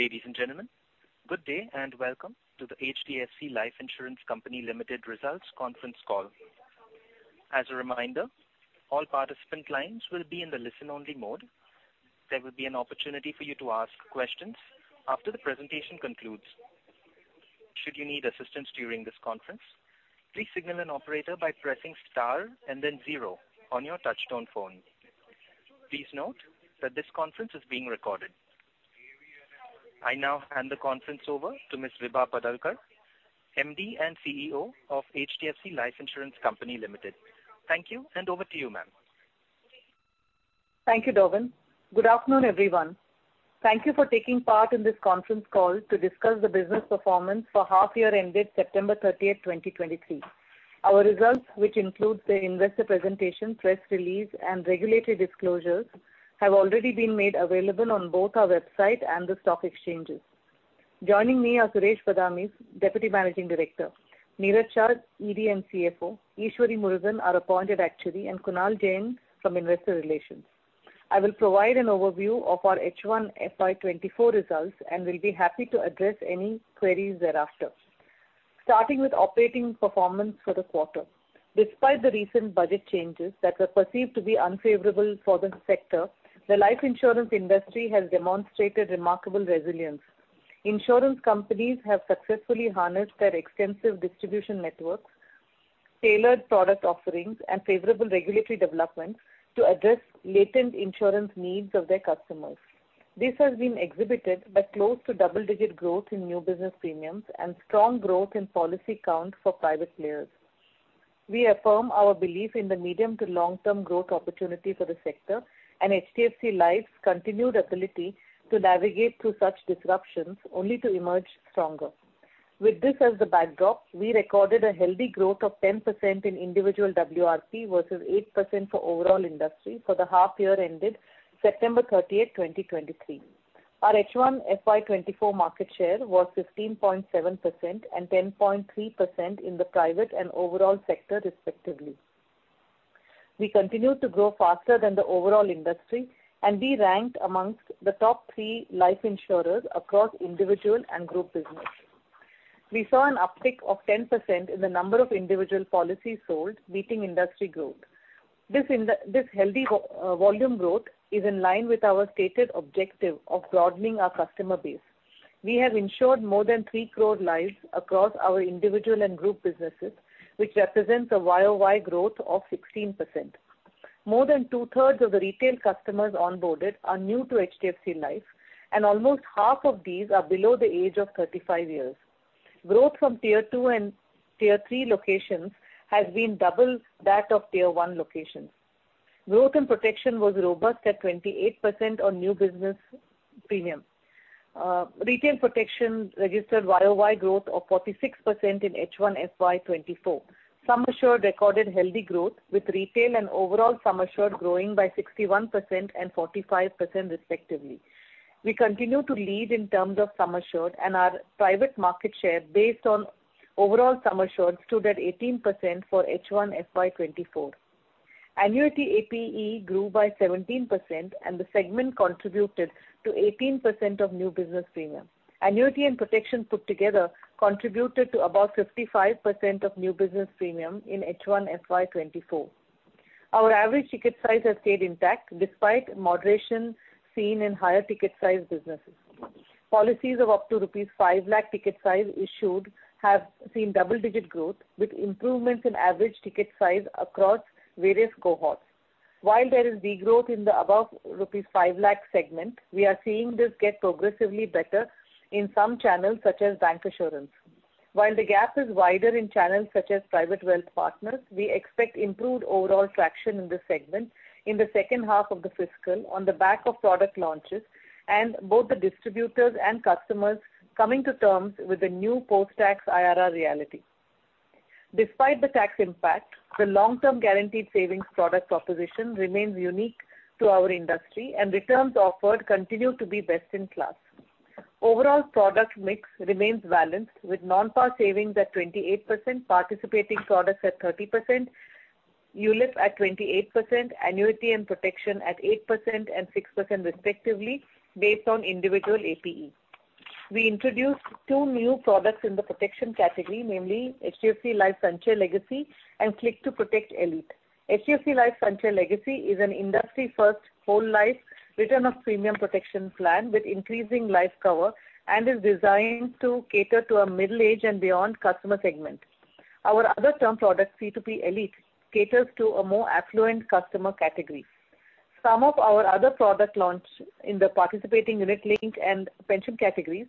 Ladies and gentlemen, good day, and welcome to the HDFC Life Insurance Co Ltd Results Conference Call. As a reminder, all participant lines will be in the listen-only mode. There will be an opportunity for you to ask questions after the presentation concludes. Should you need assistance during this conference, please signal an operator by pressing star and then zero on your touch-tone phone. Please note that this conference is being recorded. I now hand the conference over to Ms. Vibha Padalkar, MD and CEO of HDFC Life Insurance Co Ltd. Thank you, and over to you, ma'am. Thank you, Donovan. Good afternoon, everyone. Thank you for taking part in this conference call to discuss the business performance for half year ended September 30, 2023. Our results, which include the investor presentation, press release, and regulatory disclosures, have already been made available on both our website and the stock exchanges. Joining me are Suresh Badami, Deputy Managing Director; Niraj Shah, ED and CFO; Eshwari Murugan, our Appointed Actuary; and Kunal Jain from Investor Relations. I will provide an overview of our H1 FY 2024 results and will be happy to address any queries thereafter. Starting with operating performance for the quarter. Despite the recent budget changes that were perceived to be unfavorable for the sector, the life insurance industry has demonstrated remarkable resilience. Insurance companies have successfully harnessed their extensive distribution networks, tailored product offerings, and favorable regulatory developments to address latent insurance needs of their customers. This has been exhibited by close to double-digit growth in new business premiums and strong growth in policy count for private players. We affirm our belief in the medium to long-term growth opportunity for the sector and HDFC Life's continued ability to navigate through such disruptions, only to emerge stronger. With this as the backdrop, we recorded a healthy growth of 10% in individual WRP versus 8% for overall industry for the half year ended September 30, 2023. Our H1 FY 2024 market share was 15.7% and 10.3% in the private and overall sector, respectively. We continued to grow faster than the overall industry, and we ranked amongst the top three life insurers across individual and group business. We saw an uptick of 10% in the number of individual policies sold, beating industry growth. This healthy volume growth is in line with our stated objective of broadening our customer base. We have insured more than 3 crore lives across our individual and group businesses, which represents a YoY growth of 16%. More than two-thirds of the retail customers onboarded are new to HDFC Life, and almost half of these are below the age of 35 years. Growth from Tier 2 and Tier 3 locations has been double that of Tier 1 locations. Growth and protection was robust at 28% on new business premium. Retail protection registered YoY growth of 46% in H1 FY 2024. Sum assured recorded healthy growth, with retail and overall sum assured growing by 61% and 45%, respectively. We continue to lead in terms of sum assured, and our private market share, based on overall sum assured, stood at 18% for H1 FY 2024. Annuity APE grew by 17%, and the segment contributed to 18% of new business premium. Annuity and protection put together contributed to about 55% of new business premium in H1 FY 2024. Our average ticket size has stayed intact despite moderation seen in higher ticket size businesses. Policies of up to 5 lakh rupees ticket size issued have seen double-digit growth, with improvements in average ticket size across various cohorts. While there is degrowth in the above rupees 5 lakh segment, we are seeing this get progressively better in some channels, such as bancassurance. While the gap is wider in channels such as private wealth partners, we expect improved overall traction in this segment in the second half of the fiscal on the back of product launches, and both the distributors and customers coming to terms with the new post-tax IRR reality. Despite the tax impact, the long-term guaranteed savings product proposition remains unique to our industry, and returns offered continue to be best in class. Overall product mix remains balanced, with non-par savings at 28%, participating products at 30%, ULIP at 28%, annuity and protection at 8% and 6%, respectively, based on individual APE. We introduced two new products in the protection category, namely HDFC Life Sanchay Legacy and Click 2 Protect Elite. HDFC Life Sanchay Legacy is an industry-first whole life return of premium protection plan with increasing life cover and is designed to cater to a middle age and beyond customer segment. Our other term product, C2P Elite, caters to a more affluent customer category. Some of our other product launch in the participating unit link and pension categories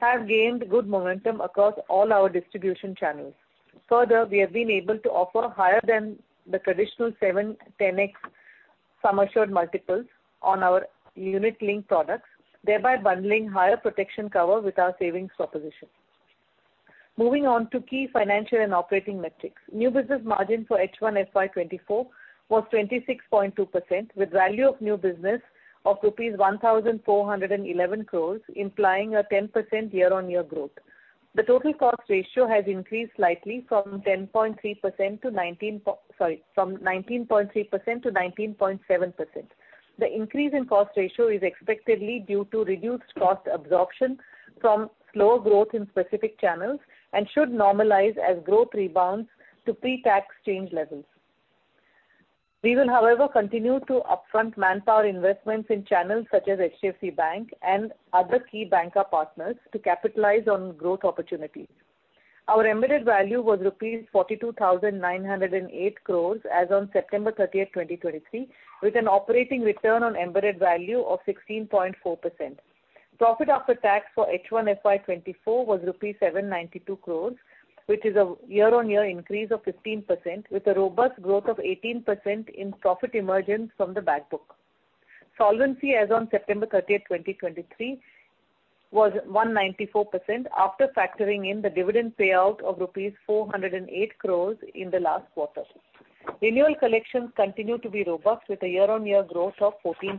have gained good momentum across all our distribution channels. Further, we have been able to offer higher than the traditional 7-10x sum assured multiples on our unit link products, thereby bundling higher protection cover with our savings proposition. Moving on to key financial and operating metrics. New business margin for H1 FY 2024 was 26.2%, with value of new business of rupees 1,411 crore, implying a 10% year-on-year growth. The total cost ratio has increased slightly from 19.3% to 19.7%. The increase in cost ratio is expectedly due to reduced cost absorption from slow growth in specific channels, and should normalize as growth rebounds to pre-tax change levels. We will, however, continue to upfront manpower investments in channels such as HDFC Bank and other key banca partners to capitalize on growth opportunities. Our embedded value was rupees 42,908 crore as on September 30, 2023, with an operating return on embedded value of 16.4%. Profit after tax for H1 FY 2024 was 792 crore rupees, which is a year-on-year increase of 15%, with a robust growth of 18% in profit emergence from the back book. Solvency as on September 30, 2023 was 194%, after factoring in the dividend payout of rupees 408 crore in the last quarter. Renewal collections continue to be robust, with a year-on-year growth of 14%.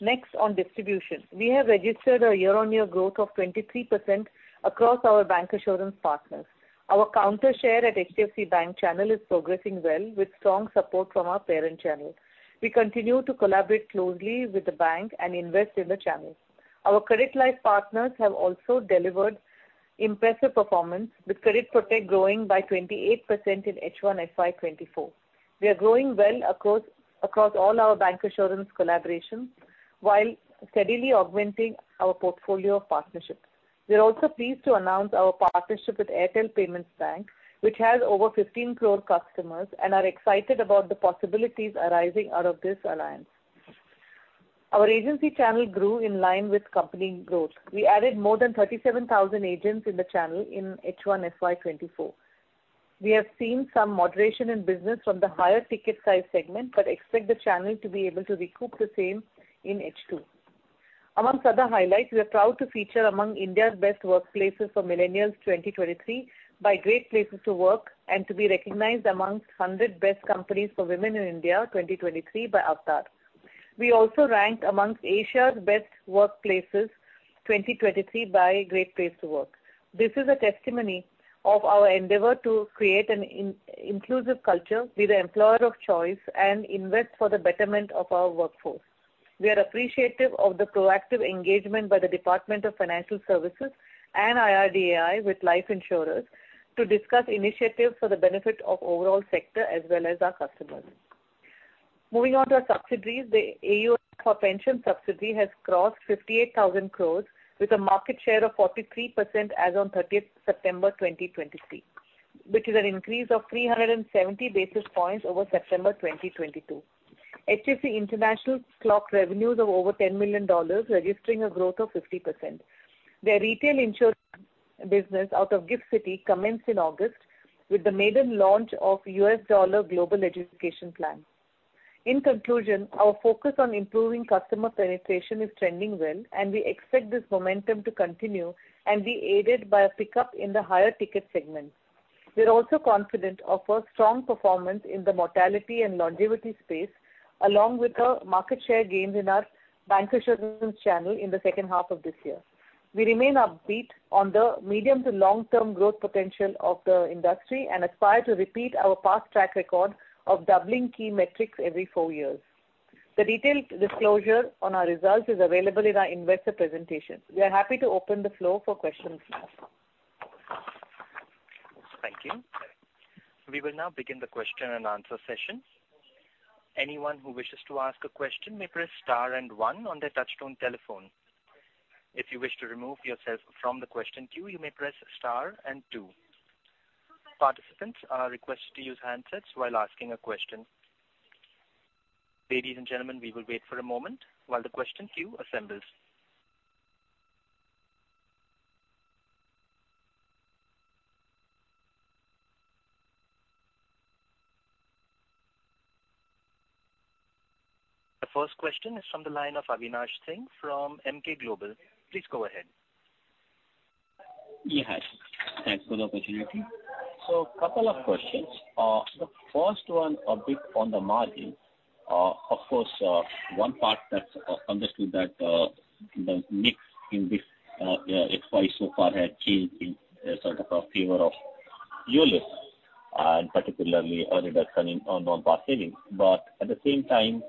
Next, on distribution. We have registered a year-on-year growth of 23% across our bank assurance partners. Our counter share at HDFC Bank channel is progressing well, with strong support from our parent channel. We continue to collaborate closely with the bank and invest in the channel. Our credit life partners have also delivered impressive performance, with credit protect growing by 28% in H1 FY 2024. We are growing well across all our bancassurance collaborations, while steadily augmenting our portfolio of partnerships. We are also pleased to announce our partnership with Airtel Payments Bank, which has over 15 crore customers and are excited about the possibilities arising out of this alliance. Our agency channel grew in line with company growth. We added more than 37,000 agents in the channel in H1 FY 2024. We have seen some moderation in business from the higher ticket size segment, but expect the channel to be able to recoup the same in H2. Among other highlights, we are proud to feature among India's best workplaces for millennials 2023 by Great Place to Work, and to be recognized among 100 Best Companies for Women in India, 2023 by Avtar. We also ranked among Asia's Best Workplaces 2023 by Great Place to Work. This is a testimony of our endeavor to create an in-inclusive culture, be the employer of choice, and invest for the betterment of our workforce. We are appreciative of the proactive engagement by the Department of Financial Services and IRDAI with life insurers, to discuss initiatives for the benefit of overall sector as well as our customers. Moving on to our subsidiaries, the AUA for pension subsidy has crossed 58,000 crore, with a market share of 43% as on 30th September 2023, which is an increase of 370 basis points over September 2022. HDFC International clocked revenues of over $10 million, registering a growth of 50%. Their retail insurance business out of GIFT City commenced in August, with the maiden launch of US dollar global education plan. In conclusion, our focus on improving customer penetration is trending well, and we expect this momentum to continue and be aided by a pickup in the higher ticket segment. We are also confident of a strong performance in the mortality and longevity space, along with the market share gains in our bancassurance channel in the second half of this year. We remain upbeat on the medium to long-term growth potential of the industry, and aspire to repeat our past track record of doubling key metrics every four years. The detailed disclosure on our results is available in our investor presentation. We are happy to open the floor for questions now. Thank you. We will now begin the question and answer session. Anyone who wishes to ask a question may press star and one on their touch-tone telephone. If you wish to remove yourself from the question queue, you may press star and two. Participants are requested to use handsets while asking a question. Ladies and gentlemen, we will wait for a moment while the question queue assembles. The first question is from the line of Avinash Singh from Emkay Global. Please go ahead. Yeah, thanks for the opportunity. So, couple of questions. The first one, a bit on the margin. Of course, one part that's understood that, the mix in this FY so far has changed in sort of a favor of ULIPs, and particularly a reduction in non-par savings. But at the same time,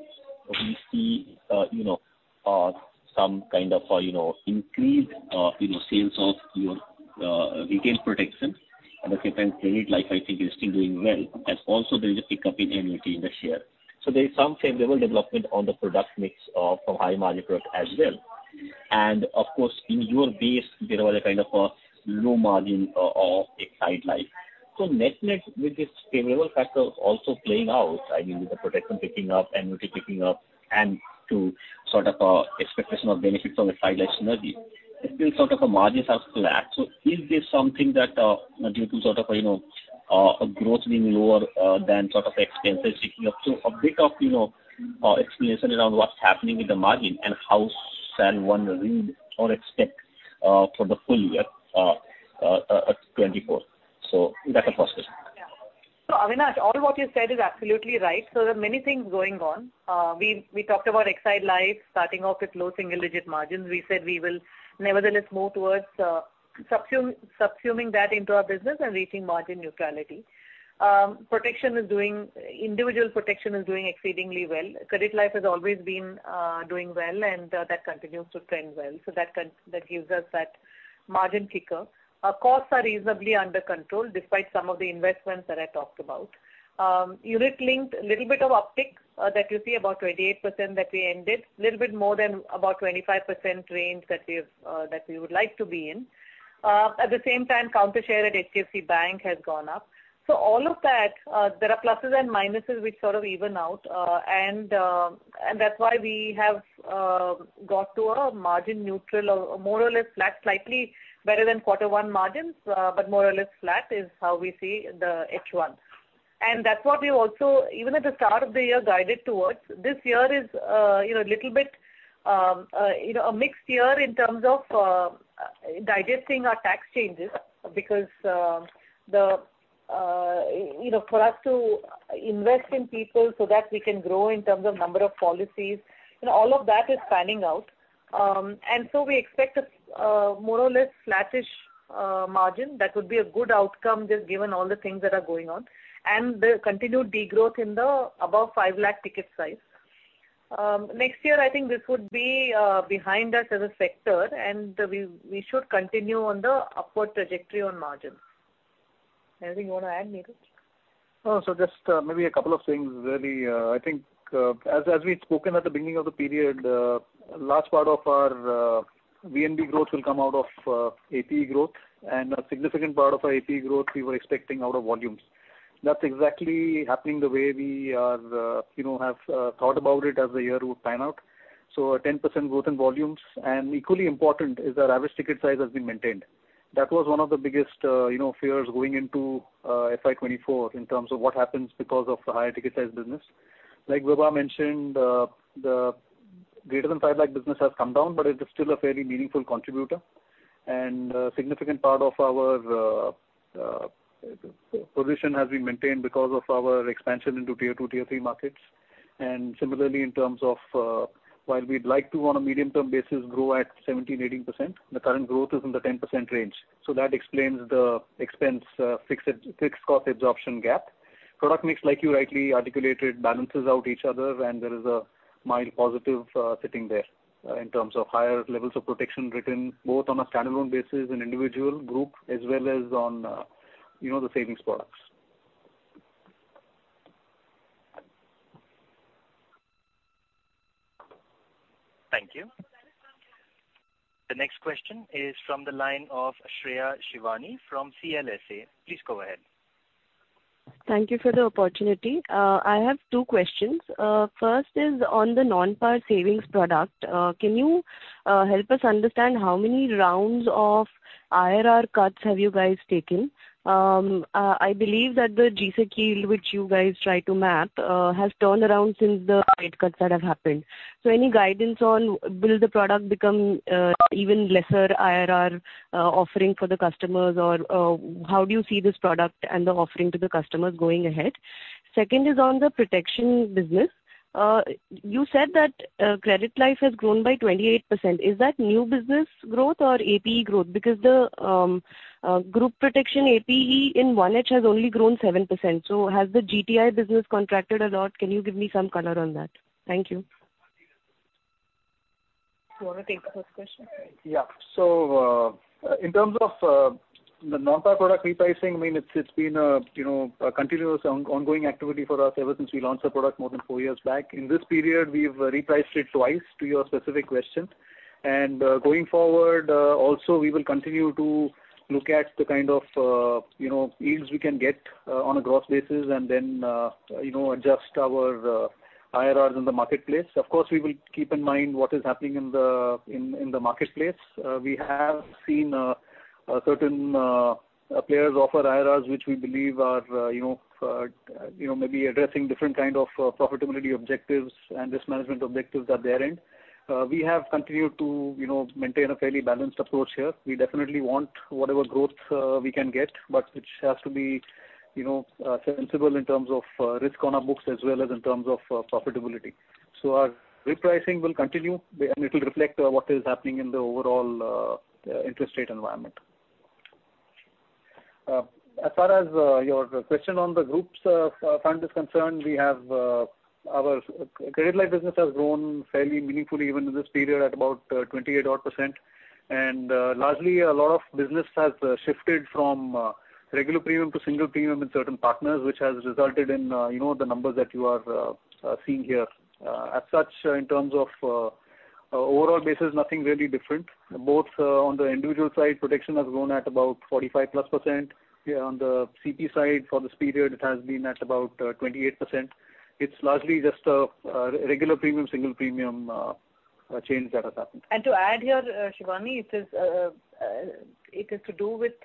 we see, you know, some kind of, you know, increased, you know, sales of your, retail protection. And at the same time, credit life, I think, is still doing well. And also there is a pickup in annuity in this year. So there is some favorable development on the product mix, for high margin growth as well. And of course, in your base, there was a kind of a low margin, of SBI Life. Net-net, with this favorable factor also playing out, I mean, with the protection picking up, and annuity picking up, and to sort of, I mean, expectation of benefits from Exide Life synergy, it feels sort of margins are flat. Is this something that, you know, a growth being lower, than sort of the expenses ticking up? A bit of, you know, explanation around what's happening in the margin, and how shall one read or expect, for the full year, 2024. That's the first question.... So Avinash, all what you said is absolutely right. So there are many things going on. We talked about Exide Life starting off with low single-digit margins. We said we will nevertheless move towards subsuming that into our business and reaching margin neutrality. Protection is doing, individual protection is doing exceedingly well. Credit life has always been doing well, and that continues to trend well. So that gives us that margin kicker. Our costs are reasonably under control, despite some of the investments that I talked about. Unit linked, little bit of uptick, that you see about 28% that we ended, little bit more than about 25% range that we've that we would like to be in. At the same time, counter share at HDFC Bank has gone up. So all of that, there are pluses and minuses which sort of even out, and that's why we have got to a margin neutral or more or less flat, slightly better than quarter one margins, but more or less flat is how we see the H1. And that's what we also, even at the start of the year, guided towards. This year is, you know, a little bit, you know, a mixed year in terms of, digesting our tax changes because, you know, for us to invest in people so that we can grow in terms of number of policies, you know, all of that is panning out. And so we expect a, more or less flattish, margin. That would be a good outcome, just given all the things that are going on, and the continued degrowth in the above 5 lakh ticket size. Next year, I think this would be behind us as a sector, and we should continue on the upward trajectory on margins. Anything you want to add, Niraj? So just maybe a couple of things, really. I think, as we'd spoken at the beginning of the period, a large part of our VNB growth will come out of APE growth, and a significant part of our APE growth we were expecting out of volumes. That's exactly happening the way we are, you know, have thought about it as the year would pan out. So a 10% growth in volumes, and equally important is our average ticket size has been maintained. That was one of the biggest, you know, fears going into FY 2024 in terms of what happens because of the higher ticket size business. Like Vibha mentioned, the greater than 5 lakh business has come down, but it is still a fairly meaningful contributor. A significant part of our position has been maintained because of our expansion into Tier 2, Tier 3 markets. Similarly, in terms of while we'd like to, on a medium-term basis, grow at 17%-18%, the current growth is in the 10% range. That explains the expense, fixed cost absorption gap. Product mix, like you rightly articulated, balances out each other, and there is a mild positive sitting there in terms of higher levels of protection written both on a standalone basis and individual group, as well as on, you know, the savings products. Thank you. The next question is from the line of Shreya Shivani from CLSA. Please go ahead. Thank you for the opportunity. I have two questions. First is on the non-par savings product. Can you help us understand how many rounds of IRR cuts have you guys taken? I believe that the G-Sec yield, which you guys try to map, has turned around since the rate cuts that have happened. Any guidance on will the product become even lesser IRR offering for the customers? Or, how do you see this product and the offering to the customers going ahead? Second is on the protection business. You said that credit life has grown by 28%. Is that new business growth or APE growth? Because the group protection APE in 1H has only grown 7%. Has the GTI business contracted a lot? Can you give me some color on that? Thank you. You want to take the first question? Yeah. So, in terms of the non-par product repricing, I mean, it's been a, you know, a continuous ongoing activity for us ever since we launched the product more than four years back. In this period, we've repriced it twice, to your specific question. And, going forward, also, we will continue to look at the kind of, you know, yields we can get on a gross basis and then, you know, adjust our IRRs in the marketplace. Of course, we will keep in mind what is happening in the marketplace. We have seen certain players offer IRRs, which we believe are, you know, you know, maybe addressing different kind of profitability objectives and risk management objectives at their end. We have continued to, you know, maintain a fairly balanced approach here. We definitely want whatever growth we can get, but which has to be, you know, sensible in terms of risk on our books, as well as in terms of profitability. So our repricing will continue, and it will reflect what is happening in the overall interest rate environment. As far as your question on the group fund is concerned, we have our credit life business has grown fairly meaningfully even in this period at about 28-odd%. And largely, a lot of business has shifted from regular premium to single premium in certain partners, which has resulted in, you know, the numbers that you are seeing here. As such, in terms of overall basis, nothing really different. Both, on the individual side, protection has grown at about 45%+. On the CP side, for this period, it has been at about 28%. It's largely just regular premium, single premium change that has happened. To add here, Shivani, it is to do with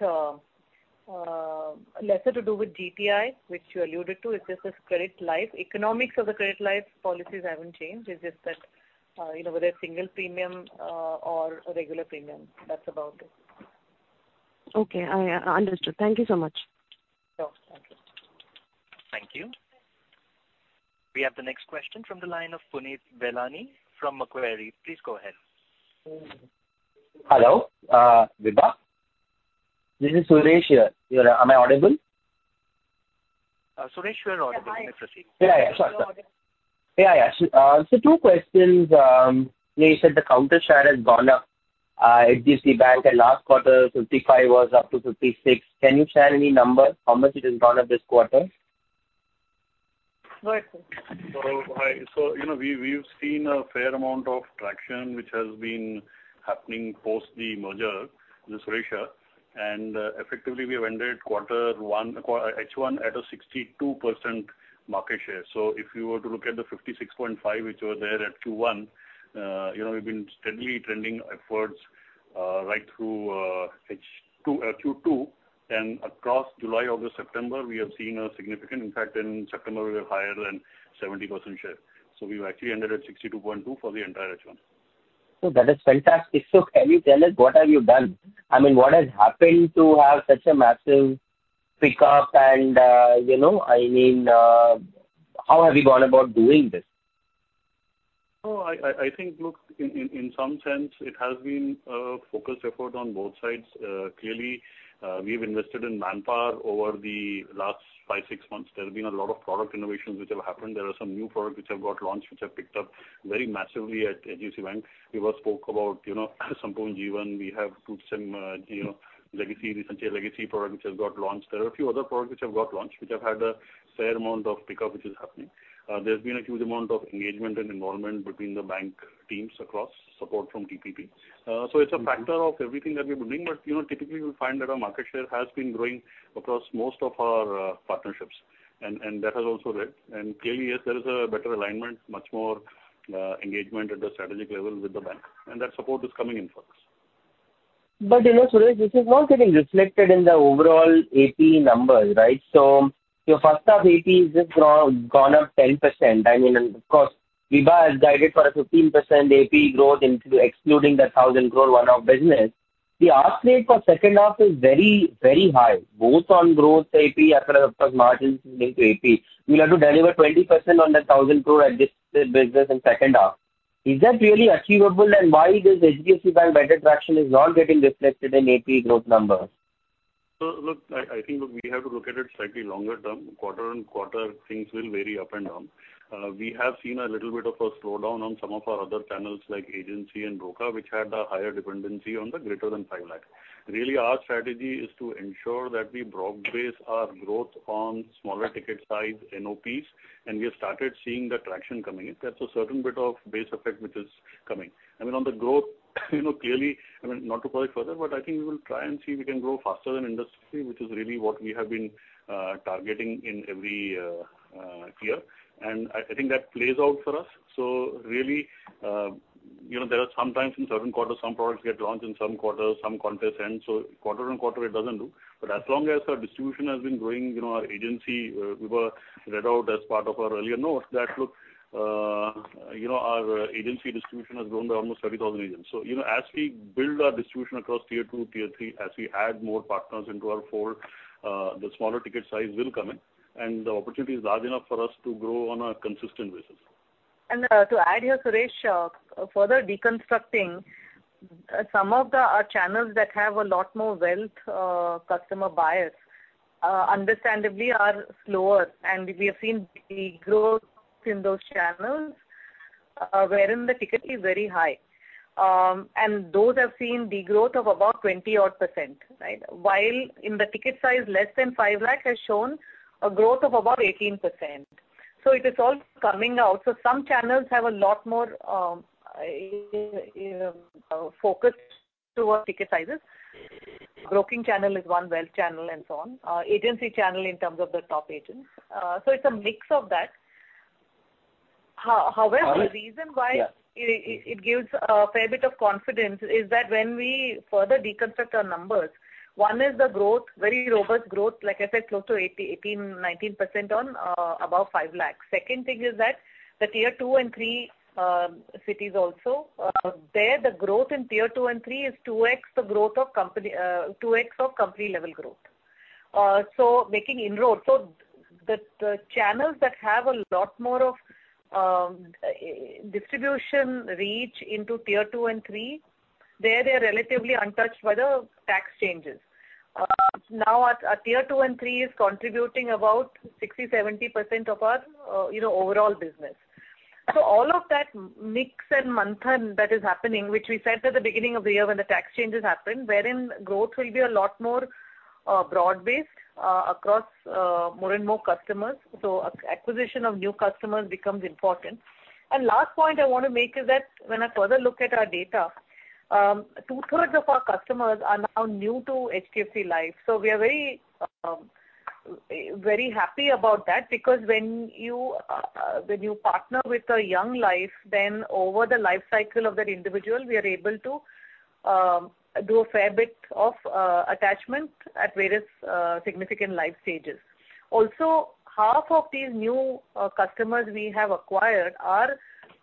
lesser to do with GTI, which you alluded to. It's just as credit life. Economics of the credit life policies haven't changed. It's just that, you know, whether a single premium or a regular premium, that's about it.... Okay, I understood. Thank you so much. Sure, thank you. Thank you. We have the next question from the line of Puneet Gulati from Macquarie. Please go ahead. Hello, Vibha. This is Suresh here. Am I audible? Suresh, you are audible. Yeah, hi. You may proceed. Yeah, yeah. Sorry. Yeah, yeah. So, so two questions. You said the counter share has gone up, HDFC Bank at last quarter, 55 was up to 56. Can you share any number, how much it has gone up this quarter? Go ahead, please. So, hi. So, you know, we, we've seen a fair amount of traction which has been happening post the merger, Suresh. And, effectively, we have ended quarter one, H1 at a 62% market share. So if you were to look at the 56.5, which were there at Q1, you know, we've been steadily trending efforts right through H2, Q2, and across July, August, September, we have seen a significant impact. In September, we were higher than 70% share. So we've actually ended at 62.2 for the entire H1. That is fantastic. Can you tell us, what have you done? I mean, what has happened to have such a massive pickup and, you know, I mean, how have you gone about doing this? Oh, I think, look, in some sense, it has been a focused effort on both sides. Clearly, we've invested in manpower over the last five, six months. There have been a lot of product innovations which have happened. There are some new products which have got launched, which have picked up very massively at HDFC Bank. We were spoke about, you know, some point G1, we have two sim, you know, legacy, recently a legacy product which has got launched. There are a few other products which have got launched, which have had a fair amount of pickup, which is happening. There's been a huge amount of engagement and involvement between the bank teams across support from TPP. So it's a factor of everything that we've been doing, but you know, typically, we find that our market share has been growing across most of our partnerships, and that has also led. And clearly, yes, there is a better alignment, much more engagement at the strategic level with the bank, and that support is coming in for us. But you know, Suresh, this is not getting reflected in the overall AP numbers, right? So first half, AP has just gone, gone up 10%. I mean, and of course, Vibha has guided for a 15% AP growth including, excluding the 1,000 crore one-off business. The ask rate for second half is very, very high, both on growth AP, across, of course, margins leading to AP. You'll have to deliver 20% on the 1,000 crore adjusted business in second half. Is that really achievable? And why this HDFC Bank better traction is not getting reflected in AP growth numbers? I think we have to look at it slightly longer term. Quarter-on-quarter, things will vary up and down. We have seen a little bit of a slowdown on some of our other channels, like agency and ROCA, which had a higher dependency on the greater than 5 lakh. Really, our strategy is to ensure that we broad base our growth on smaller ticket size NOPs, and we have started seeing the traction coming in. That's a certain bit of base effect which is coming. I mean, on the growth, you know, clearly, I mean, not to push further, but I think we will try and see if we can grow faster than industry, which is really what we have been targeting in every year. I think that plays out for us. So really, you know, there are some times in certain quarters, some products get launched in some quarters, some quarters end. So quarter-on-quarter, it doesn't do. But as long as our distribution has been growing, you know, our agency, we were read out as part of our earlier notes that, look, you know, our agency distribution has grown to almost 30,000 agents. So, you know, as we build our distribution across Tier 2, Tier 3, as we add more partners into our fold, the smaller ticket size will come in, and the opportunity is large enough for us to grow on a consistent basis. To add here, Suresh, further deconstructing some of our channels that have a lot more wealth customer buyers, understandably are slower, and we have seen degrowth in those channels, wherein the ticket is very high. Those have seen degrowth of about 20% odd, right? While in the ticket size less than 5 lakh has shown a growth of above 18%. It is all coming out. Some channels have a lot more focus towards ticket sizes. Broking channel is one wealth channel and so on. Agency channel in terms of the top agents. It's a mix of that. However, the reason why- Yeah. It gives a fair bit of confidence that when we further deconstruct our numbers, one is the growth, very robust growth, like I said, close to 80, 18%-19% on above 5 lakhs. Second thing is that the Tier 2 and 3 cities also, there the growth in Tier 2 and 3 is 2x the growth of the company, 2x of company-level growth. So making inroads. So the channels that have a lot more of distribution reach into Tier 2 and 3, there they are relatively untouched by the tax changes. Now, our Tier 2 and 3 is contributing about 60%-70% of our, you know, overall business. So all of that mix and month-on-month that is happening, which we said at the beginning of the year, when the tax changes happened, wherein growth will be a lot more broad-based across more and more customers. So acquisition of new customers becomes important. And last point I want to make is that when I further look at our data, two-thirds of our customers are now new to HDFC Life, so we are very, very happy about that, because when you, when you partner with a young life, then over the life cycle of that individual, we are able to do a fair bit of attachment at various significant life stages. Also, half of these new customers we have acquired are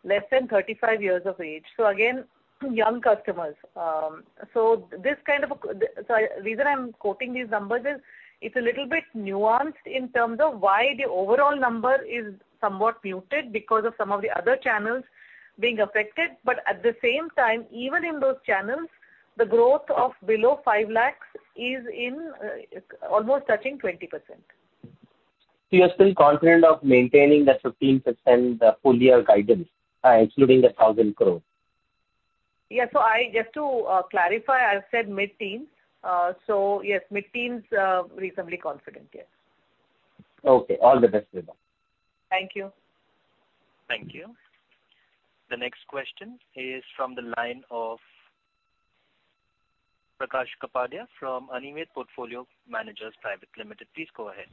less than 35 years of age, so again, young customers. So the reason I'm quoting these numbers is, it's a little bit nuanced in terms of why the overall number is somewhat muted because of some of the other channels being affected. But at the same time, even in those channels, the growth of below 5 lakhs is in, almost touching 20%. You are still confident of maintaining the 15%, full year guidance, including the 1,000 crore? Yes. So I just to clarify, I said mid-teen. So yes, mid-teens, reasonably confident, yes. Okay, all the best with that. Thank you. Thank you. The next question is from the line of Prakash Kapadia from Anived Portfolio Managers Pvt Ltd. Please go ahead.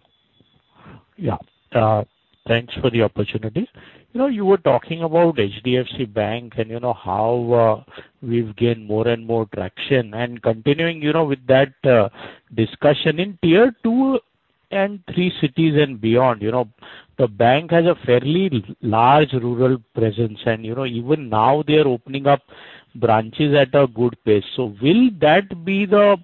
Yeah, thanks for the opportunity. You know, you were talking about HDFC Bank and you know, how we've gained more and more traction and continuing, you know, with that, discussion in Tier 2 and Tier 3 cities and beyond, you know, the bank has a fairly large rural presence, and, you know, even now they are opening up branches at a good pace. So will that be the,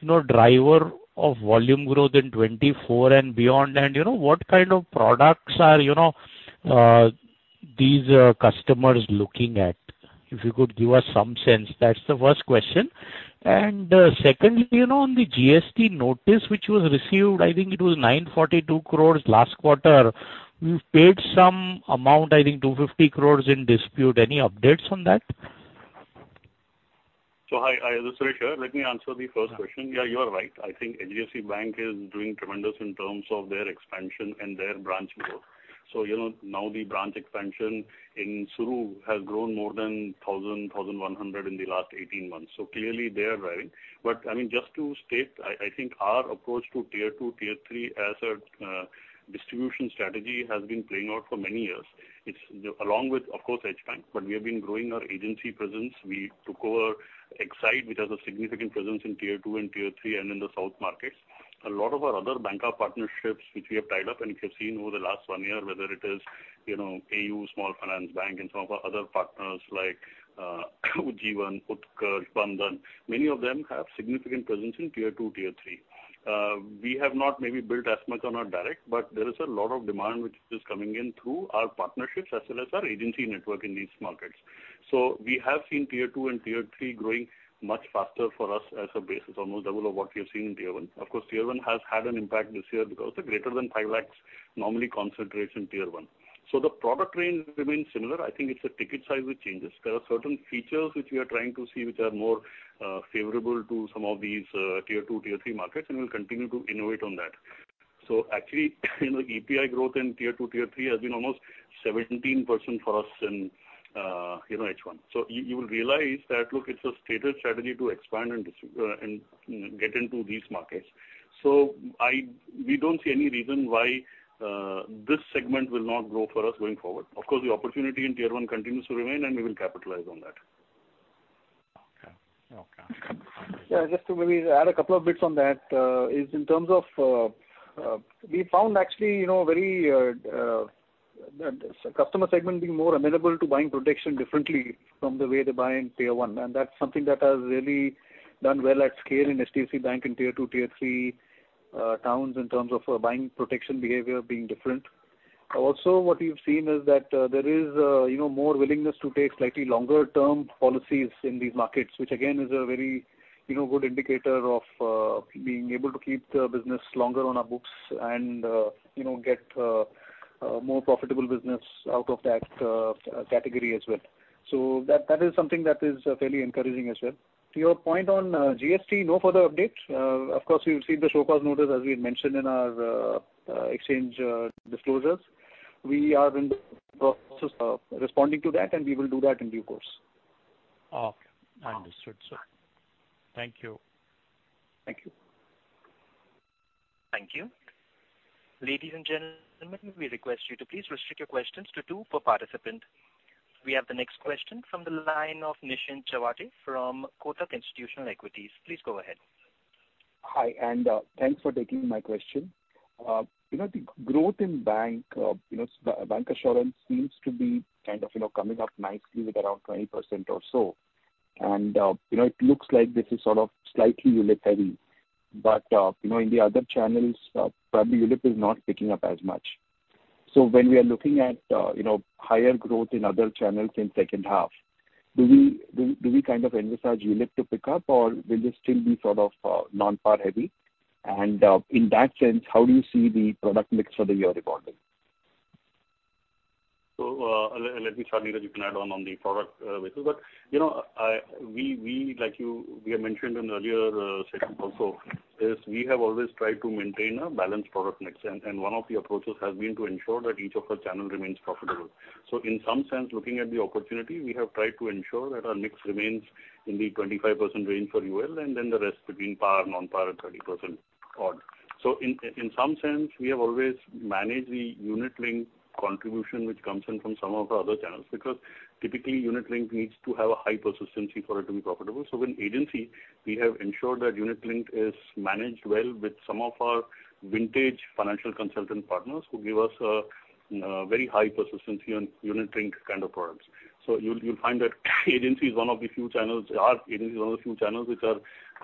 you know, driver of volume growth in 2024 and beyond? And, you know, what kind of products are, you know, these customers looking at? If you could give us some sense, that's the first question. And, secondly, you know, on the GST notice, which was received, I think it was 942 crore last quarter. You've paid some amount, I think 250 crore in dispute. Any updates on that? So hi, this is Suresh here. Let me answer the first question. Yeah, you are right. I think HDFC Bank is doing tremendous in terms of their expansion and their branch growth. So, you know, now the branch expansion in rural has grown more than 1,100 in the last 18 months. So clearly they are growing. But, I mean, just to state, I think our approach to Tier 2, Tier 3 as a distribution strategy has been playing out for many years. It's along with, of course, HDFC Bank, but we have been growing our agency presence. We took over Exide, which has a significant presence in Tier 2 and Tier 3 and in the south markets. A lot of our other banker partnerships, which we have tied up, and you have seen over the last 1 year, whether it is, you know, AU Small Finance Bank and some of our other partners like, Ujjivan, Utkarsh, Bandhan, many of them have significant presence in Tier 2, Tier 3. We have not maybe built as much on our direct, but there is a lot of demand which is coming in through our partnerships as well as our agency network in these markets. So we have seen Tier 2 and Tier 3 growing much faster for us as a basis, almost double of what we have seen in Tier 1. Of course, Tier 1 has had an impact this year because the greater than 5 lakhs normally concentrates in Tier 1. So the product range remains similar. I think it's a ticket size, which changes. There are certain features which we are trying to see, which are more favorable to some of these Tier 2, Tier 3 markets, and we'll continue to innovate on that. So actually, you know, APE growth in Tier 2, Tier 3 has been almost 17% for us in H1. So you, you will realize that, look, it's a stated strategy to expand and dis-- and get into these markets. So we don't see any reason why this segment will not grow for us going forward. Of course, the opportunity in Tier 1 continues to remain, and we will capitalize on that. Okay. Okay. Yeah, just to maybe add a couple of bits on that, is in terms of, we found actually, you know, very, that customer segment being more amenable to buying protection differently from the way they buy in Tier 1. And that's something that has really done well at scale in HDFC Bank, in Tier 2, Tier 3 towns in terms of, buying protection behavior being different. Also, what we've seen is that, there is a, you know, more willingness to take slightly longer term policies in these markets, which again, is a very, you know, good indicator of, being able to keep the business longer on our books and, you know, get, a more profitable business out of that, category as well. So that, that is something that is fairly encouraging as well. To your point on GST, no further updates. Of course, you've seen the show cause notice, as we had mentioned in our exchange disclosures. We are in the process of responding to that, and we will do that in due course. Okay. Understood, sir. Thank you. Thank you. Thank you. Ladies and gentlemen, we request you to please restrict your questions to two per participant. We have the next question from the line of Nischint Chawathe from Kotak Institutional Equities. Please go ahead. Hi, and thanks for taking my question. You know, the growth in bancassurance seems to be kind of, you know, coming up nicely with around 20% or so. And, you know, it looks like this is sort of slightly ULIP heavy, but, you know, in the other channels, probably ULIP is not picking up as much. So when we are looking at, you know, higher growth in other channels in second half, do we, do, do we kind of envisage ULIP to pick up, or will this still be sort of, non-par heavy? And, in that sense, how do you see the product mix for the year evolving? So, let me start, Niraj, you can add on, on the product, basis. But, you know, we, we like you, we have mentioned in earlier, sessions also, is we have always tried to maintain a balanced product mix, and, and one of the approaches has been to ensure that each of our channel remains profitable. So in some sense, looking at the opportunity, we have tried to ensure that our mix remains in the 25% range for UL, and then the rest between par, non-par and 30% odd. So in, in some sense, we have always managed the unit link contribution which comes in from some of our other channels, because typically, unit link needs to have a high persistency for it to be profitable. So when agency, we have ensured that unit link is managed well with some of our vintage financial consultant partners, who give us a very high persistency on unit link kind of products. So you'll find that agency is one of the few channels, our agency is one of the few channels which are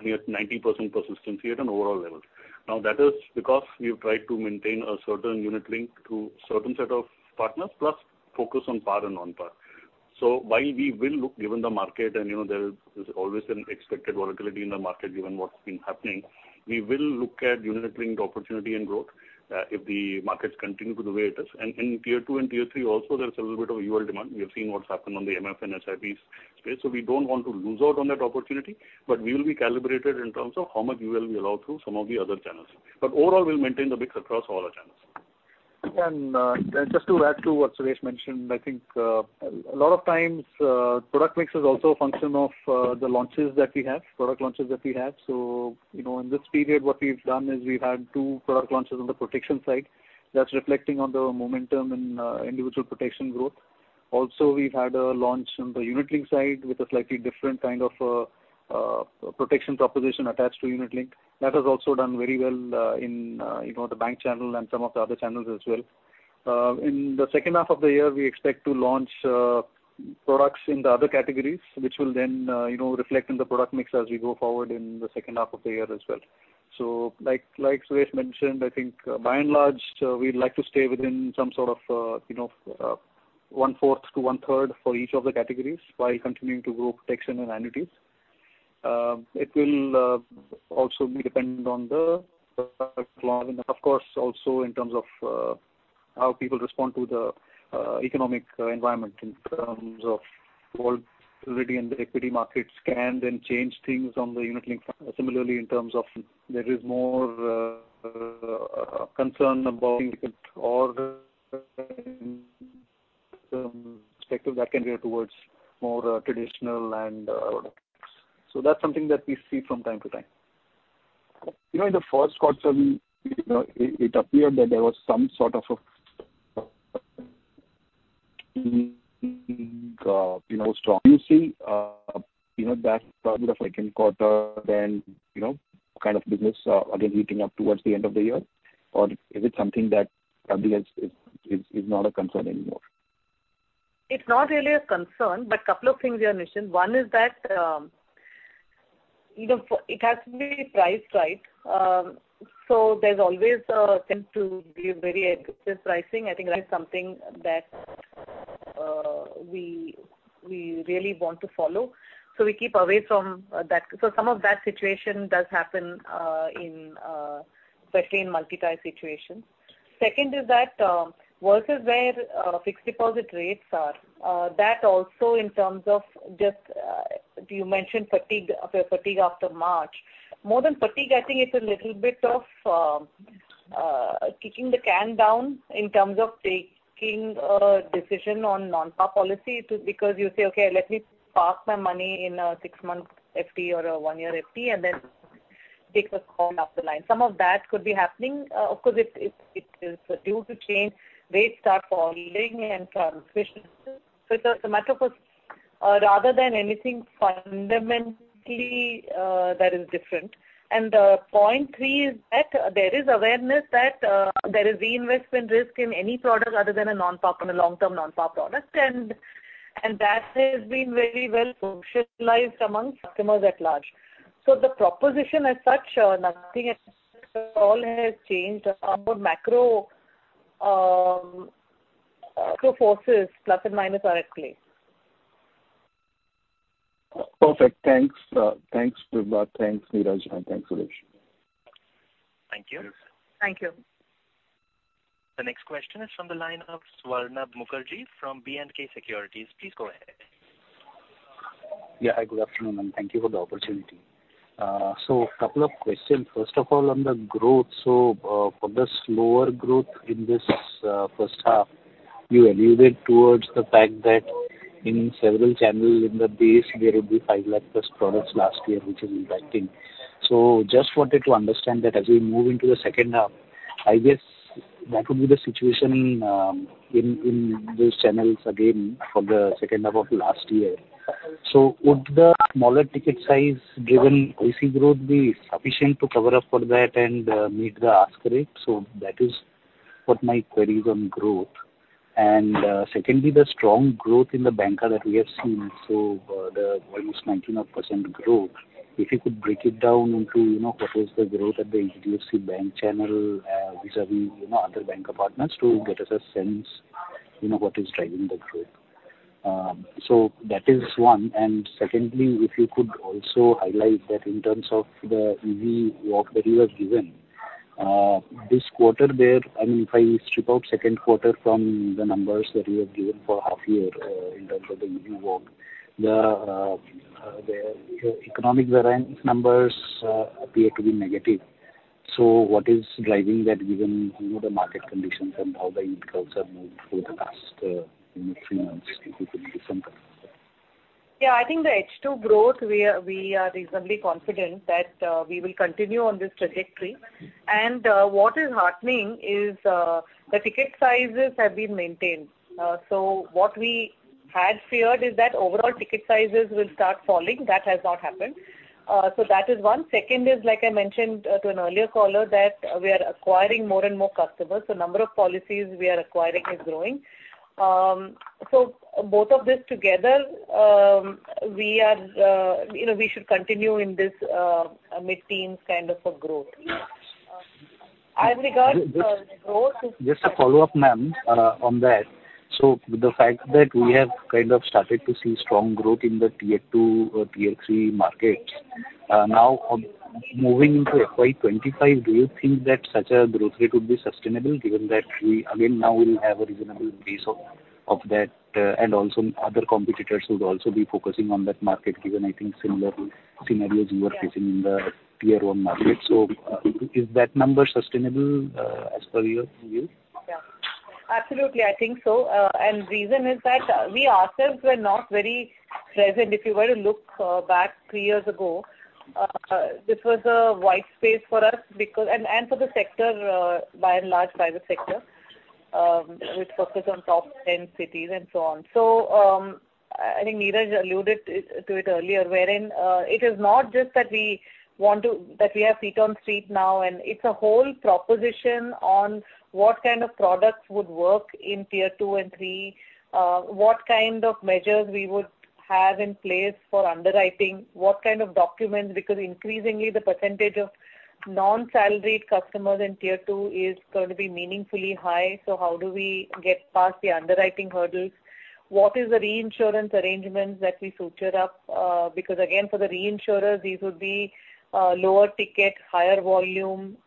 near 90% persistency at an overall level. Now, that is because we have tried to maintain a certain unit link to certain set of partners, plus focus on par and non-par. So while we will look given the market and, you know, there is always an expected volatility in the market given what's been happening, we will look at unit link opportunity and growth, if the markets continue to the way it is. And in Tier 2 and Tier 3 also, there's a little bit of UL demand. We have seen what's happened on the MF and SIPs space, so we don't want to lose out on that opportunity, but we will be calibrated in terms of how much UL we allow through some of the other channels. But overall, we'll maintain the mix across all our channels. Just to add to what Suresh mentioned, I think, a lot of times, product mix is also a function of, the launches that we have, product launches that we have. So, you know, in this period, what we've done is we've had two product launches on the protection side. That's reflecting on the momentum in, individual protection growth. Also, we've had a launch on the unit link side with a slightly different kind of, protection proposition attached to unit link. That has also done very well, in, you know, the bank channel and some of the other channels as well. In the second half of the year, we expect to launch products in the other categories, which will then, you know, reflect in the product mix as we go forward in the second half of the year as well. So like, like Suresh mentioned, I think by and large, we'd like to stay within some sort of, you know, one-fourth to one-third for each of the categories, while continuing to grow protection and annuities. It will also be dependent on, of course, also in terms of how people respond to the economic environment in terms of volatility in the equity markets can then change things on the unit link. Similarly, in terms of there is more concern about or perspective that can be towards more traditional and products. That's something that we see from time to time. You know, in the first quarter, we, you know, it appeared that there was some sort of a, you know, strong, you know, that probably the second quarter, then, you know, kind of business, again, heating up towards the end of the year? Or is it something that probably is not a concern anymore? It's not really a concern, but couple of things you have mentioned. One is that, you know, for it has to be priced right. So there's always a tendency to be very aggressive pricing. I think that is something that, we really want to follow. So we keep away from that. So some of that situation does happen, especially in multi-tie situations. Second is that, versus where fixed deposit rates are, that also in terms of just, you mentioned fatigue, fatigue after March. More than fatigue, I think it's a little bit of kicking the can down in terms of taking a decision on non-par policy, because you say, "Okay, let me park my money in a six-month FT or a one-year FT, and then take a call up the line." Some of that could be happening. Of course, it is due to change. Rates start falling and transmissions. It's a matter of, rather than anything fundamentally, that is different. Point three is that there is awareness that there is reinvestment risk in any product other than a non-par, on a long-term non-par product. That has been very well socialized among customers at large. The proposition as such, nothing at all has changed on our macro forces, plus and minus are at play. Perfect. Thanks. Thanks, Vibha. Thanks, Niraj, and thanks, Suresh. Thank you. Thank you. The next question is from the line of Swarnabh Mukherjee from B&K Securities. Please go ahead. Yeah. Hi, good afternoon, and thank you for the opportunity. A couple of questions. First of all, on the growth, for the slower growth in this first half, you alluded towards the fact that in several channels in the base, there would be 5 lakh+ products last year, which is impacting. Just wanted to understand that as we move into the second half, I guess that would be the situation in those channels again for the second half of last year. Would the smaller ticket size driven APE growth be sufficient to cover up for that and meet the ask rate? That is what my query is on growth. Secondly, the strong growth in the bancassurance that we have seen, so, the almost 19% odd growth, if you could break it down into, you know, what is the growth at the HDFC Bank channel, vis-a-vis, you know, other bank partners to get us a sense, you know, what is driving the growth? So that is one. And secondly, if you could also highlight that in terms of the EV work that you have given, this quarter there, I mean, if I strip out second quarter from the numbers that you have given for half year, in terms of the EV work, the, the economic numbers, appear to be negative. So what is driving that, given, you know, the market conditions and how the inputs have moved over the past, few months, if you could please?... Yeah, I think the H2 growth, we are reasonably confident that we will continue on this trajectory. And what is heartening is the ticket sizes have been maintained. So what we had feared is that overall ticket sizes will start falling, that has not happened. So that is one. Second is, like I mentioned to an earlier caller, that we are acquiring more and more customers, so number of policies we are acquiring is growing. So both of this together, we are, you know, we should continue in this mid-teens kind of a growth. As regards growth- Just a follow-up, ma'am, on that. So the fact that we have kind of started to see strong growth in the Tier 2 or Tier 3 markets, now on moving into FY 2025, do you think that such a growth rate would be sustainable, given that we again now will have a reasonable base of that, and also other competitors would also be focusing on that market, given I think similar scenarios you are facing in the Tier 1 market? So, is that number sustainable, as per your view? Yeah. Absolutely, I think so. I think the reason is that we ourselves were not very present. If you were to look back three years ago, this was a white space for us, because—and for the sector, by and large, private sector, which focused on top 10 cities and so on. I think Niraj alluded to it earlier, wherein it is not just that we want to—that we have feet on street now, and it's a whole proposition on what kind of products would work in Tier 2 and 3, what kind of measures we would have in place for underwriting, what kind of documents, because increasingly the percentage of non-salaried customers in Tier 2 is going to be meaningfully high, so how do we get past the underwriting hurdles? What is the reinsurance arrangements that we suture up? Because again, for the reinsurers, these would be lower ticket, higher volume,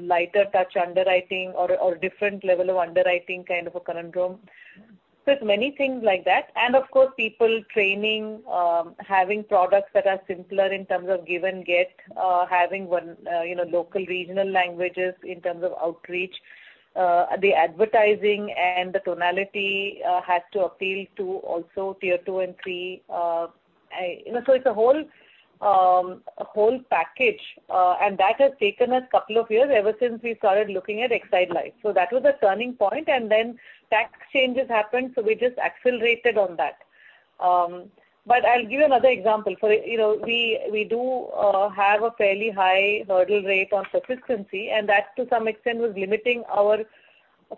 lighter touch underwriting or different level of underwriting kind of a conundrum. So it's many things like that. And of course, people training, having products that are simpler in terms of give and get, having one, you know, local regional languages in terms of outreach. The advertising and the tonality has to appeal to also Tier 2 and 3. You know, so it's a whole, a whole package, and that has taken us couple of years ever since we started looking at Exide Life. So that was a turning point, and then tax changes happened, so we just accelerated on that. But I'll give you another example. For, you know, we do have a fairly high hurdle rate on persistency, and that to some extent was limiting our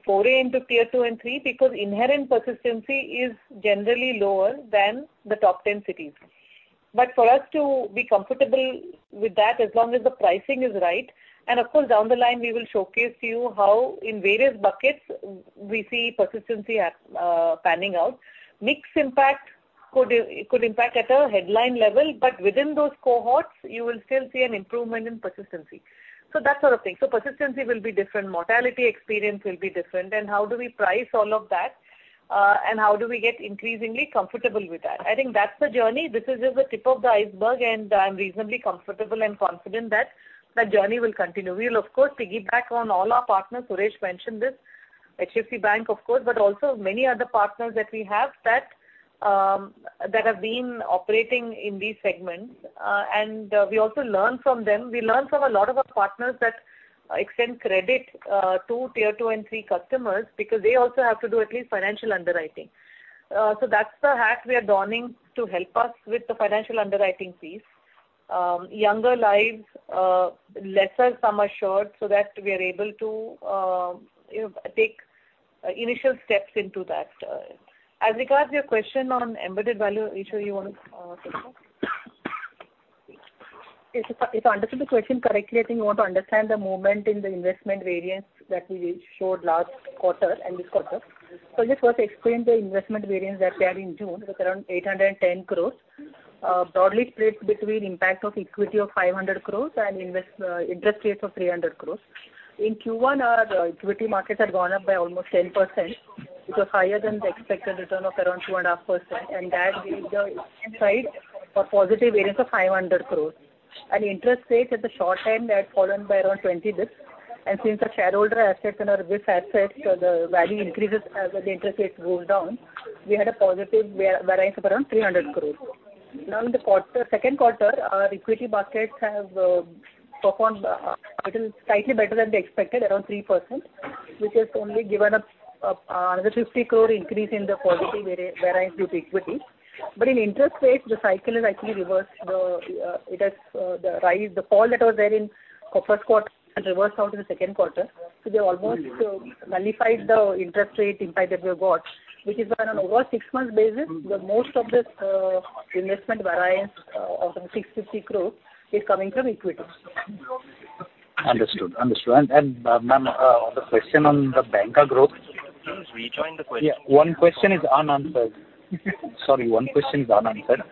foray into Tier 2 and 3, because inherent persistency is generally lower than the top 10 cities. But for us to be comfortable with that, as long as the pricing is right, and of course, down the line, we will showcase to you how in various buckets we see persistency at panning out. Mix impact could impact at a headline level, but within those cohorts, you will still see an improvement in persistency. So that sort of thing. So persistency will be different, mortality experience will be different, and how do we price all of that, and how do we get increasingly comfortable with that? I think that's the journey. This is just the tip of the iceberg, and I'm reasonably comfortable and confident that the journey will continue. We will of course piggyback on all our partners. Suresh mentioned this, HDFC Bank, of course, but also many other partners that we have that have been operating in these segments, and we also learn from them. We learn from a lot of our partners that extend credit to Tier 2 and 3 customers, because they also have to do at least financial underwriting. So that's the hat we are donning to help us with the financial underwriting fees. Younger lives, lesser sum assured, so that we are able to, you know, take initial steps into that. As regards your question on embedded value, Eshwari, you want to take that? If I, if I understood the question correctly, I think you want to understand the movement in the investment variance that we showed last quarter and this quarter. So just first explain the investment variance that we had in June, it was around 810 crore, broadly split between impact of equity of 500 crore and interest rates of 300 crore. In Q1, our equity markets had gone up by almost 10%, which was higher than the expected return of around 2.5%, and that gave the inside a positive variance of 500 crore. And interest rates at the short end had fallen by around twenty basis points, and since the shareholder assets and our risk assets, the value increases as the interest rates goes down, we had a positive variance of around 300 crore. Now, in the quarter, second quarter, our equity markets have performed a little tightly better than they expected, around 3%, which has only given us another 50 crore increase in the positive variance with equity. But in interest rates, the cycle is actually reversed. The it has the rise, the fall that was there in the first quarter and reversed out in the second quarter. So they almost nullified the interest rate impact that we have got, which is why on an over six months basis, the most of this investment variance of 650 crore is coming from equities. Understood. Understood. And, ma'am, the question on the bancassurance growth. Please rejoin the question. Yeah, one question is unanswered. Sorry, one question is unanswered.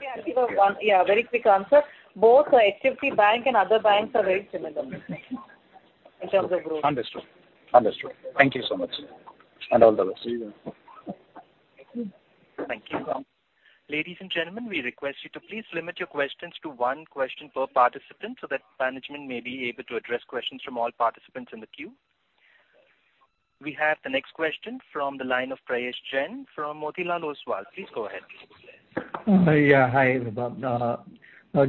Yeah, very quick answer. Both HDFC Bank and other banks are very similar in terms of growth. Understood. Understood. Thank you so much, and all the best. See you. Thank you. Ladies and gentlemen, we request you to please limit your questions to one question per participant, so that management may be able to address questions from all participants in the queue... We have the next question from the line of Prayesh Jain from Motilal Oswal. Please go ahead. Yeah. Hi, Vibha.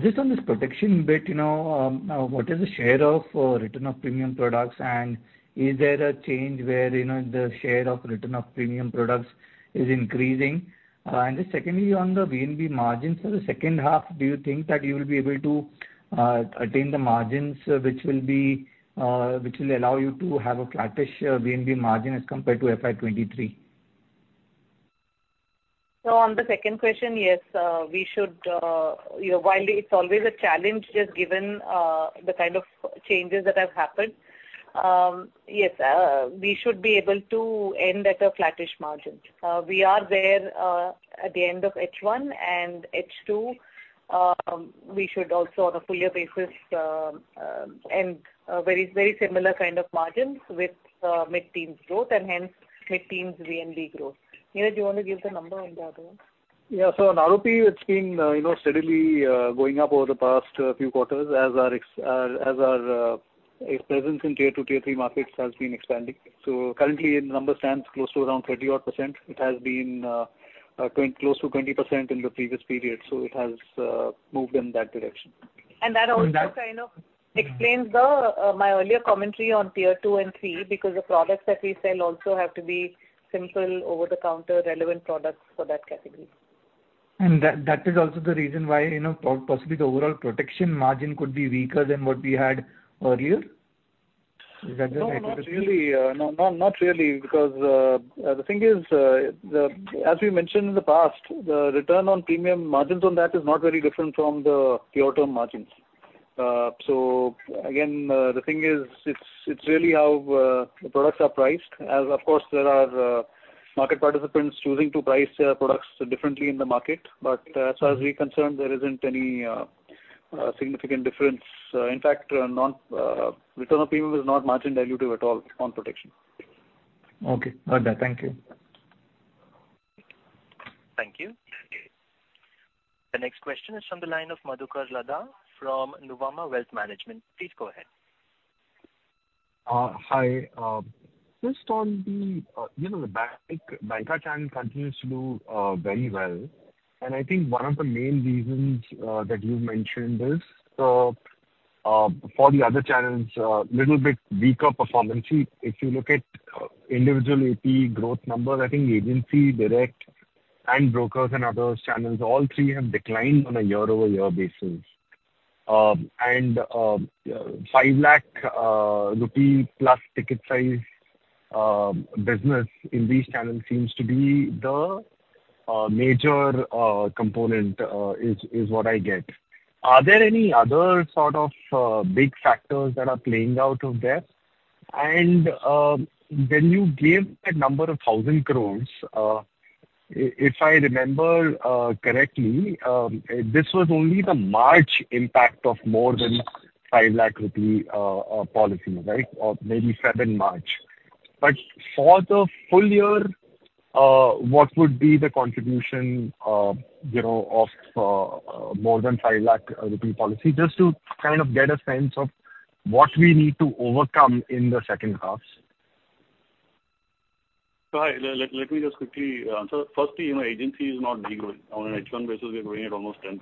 Just on this protection bit, you know, what is the share of return of premium products? And is there a change where, you know, the share of return of premium products is increasing? And then secondly, on the VNB margins for the second half, do you think that you will be able to attain the margins which will be which will allow you to have a flattish VNB margin as compared to FY 2023? So on the second question, yes. We should, you know, while it's always a challenge, just given the kind of changes that have happened, yes, we should be able to end at a flattish margin. We are there at the end of H1 and H2, we should also on a full year basis, end a very, very similar kind of margins with mid-teens growth and hence mid-teens VNB growth. Niraj, do you want to give the number on that one? Yeah. So on RoP, it's been, you know, steadily going up over the past few quarters as our presence in Tier 2, Tier 3 markets has been expanding. So currently the number stands close to around 30-odd%. It has been close to 20% in the previous period, so it has moved in that direction. That also kind of explains my earlier commentary on Tier 2 and 3, because the products that we sell also have to be simple, over-the-counter, relevant products for that category. And that is also the reason why, you know, possibly the overall protection margin could be weaker than what we had earlier. Is that the- No, not really, because the thing is, as we mentioned in the past, the return of premium margins on that is not very different from the pure term margins. So again, the thing is, it's really how the products are priced. As, of course, there are market participants choosing to price their products differently in the market. But as far as we're concerned, there isn't any significant difference. In fact, non-return of premium is not margin dilutive at all on protection. Okay. Got that. Thank you. Thank you. The next question is from the line of Madhukar Ladha from Nuvama Wealth Management. Please go ahead. Hi. Just on the, you know, the banker channel continues to do very well, and I think one of the main reasons that you've mentioned is, for the other channels, a little bit weaker performance. If you look at individual APE growth numbers, I think agency, direct and brokers and other channels, all three have declined on a year-over-year basis. 5 lakh rupee plus ticket size business in these channels seems to be the major component, is what I get. Are there any other sort of big factors that are playing out there? When you gave that number of 1,000 crore, if I remember correctly, this was only the March impact of more than 5 lakh rupee policy, right? Or maybe 7 March. But for the full year, what would be the contribution, you know, of more than 5 lakh rupee policy, just to kind of get a sense of what we need to overcome in the second half. So let me just quickly, so firstly, you know, agency is not doing good. On an H1 basis, we are growing at almost 10%.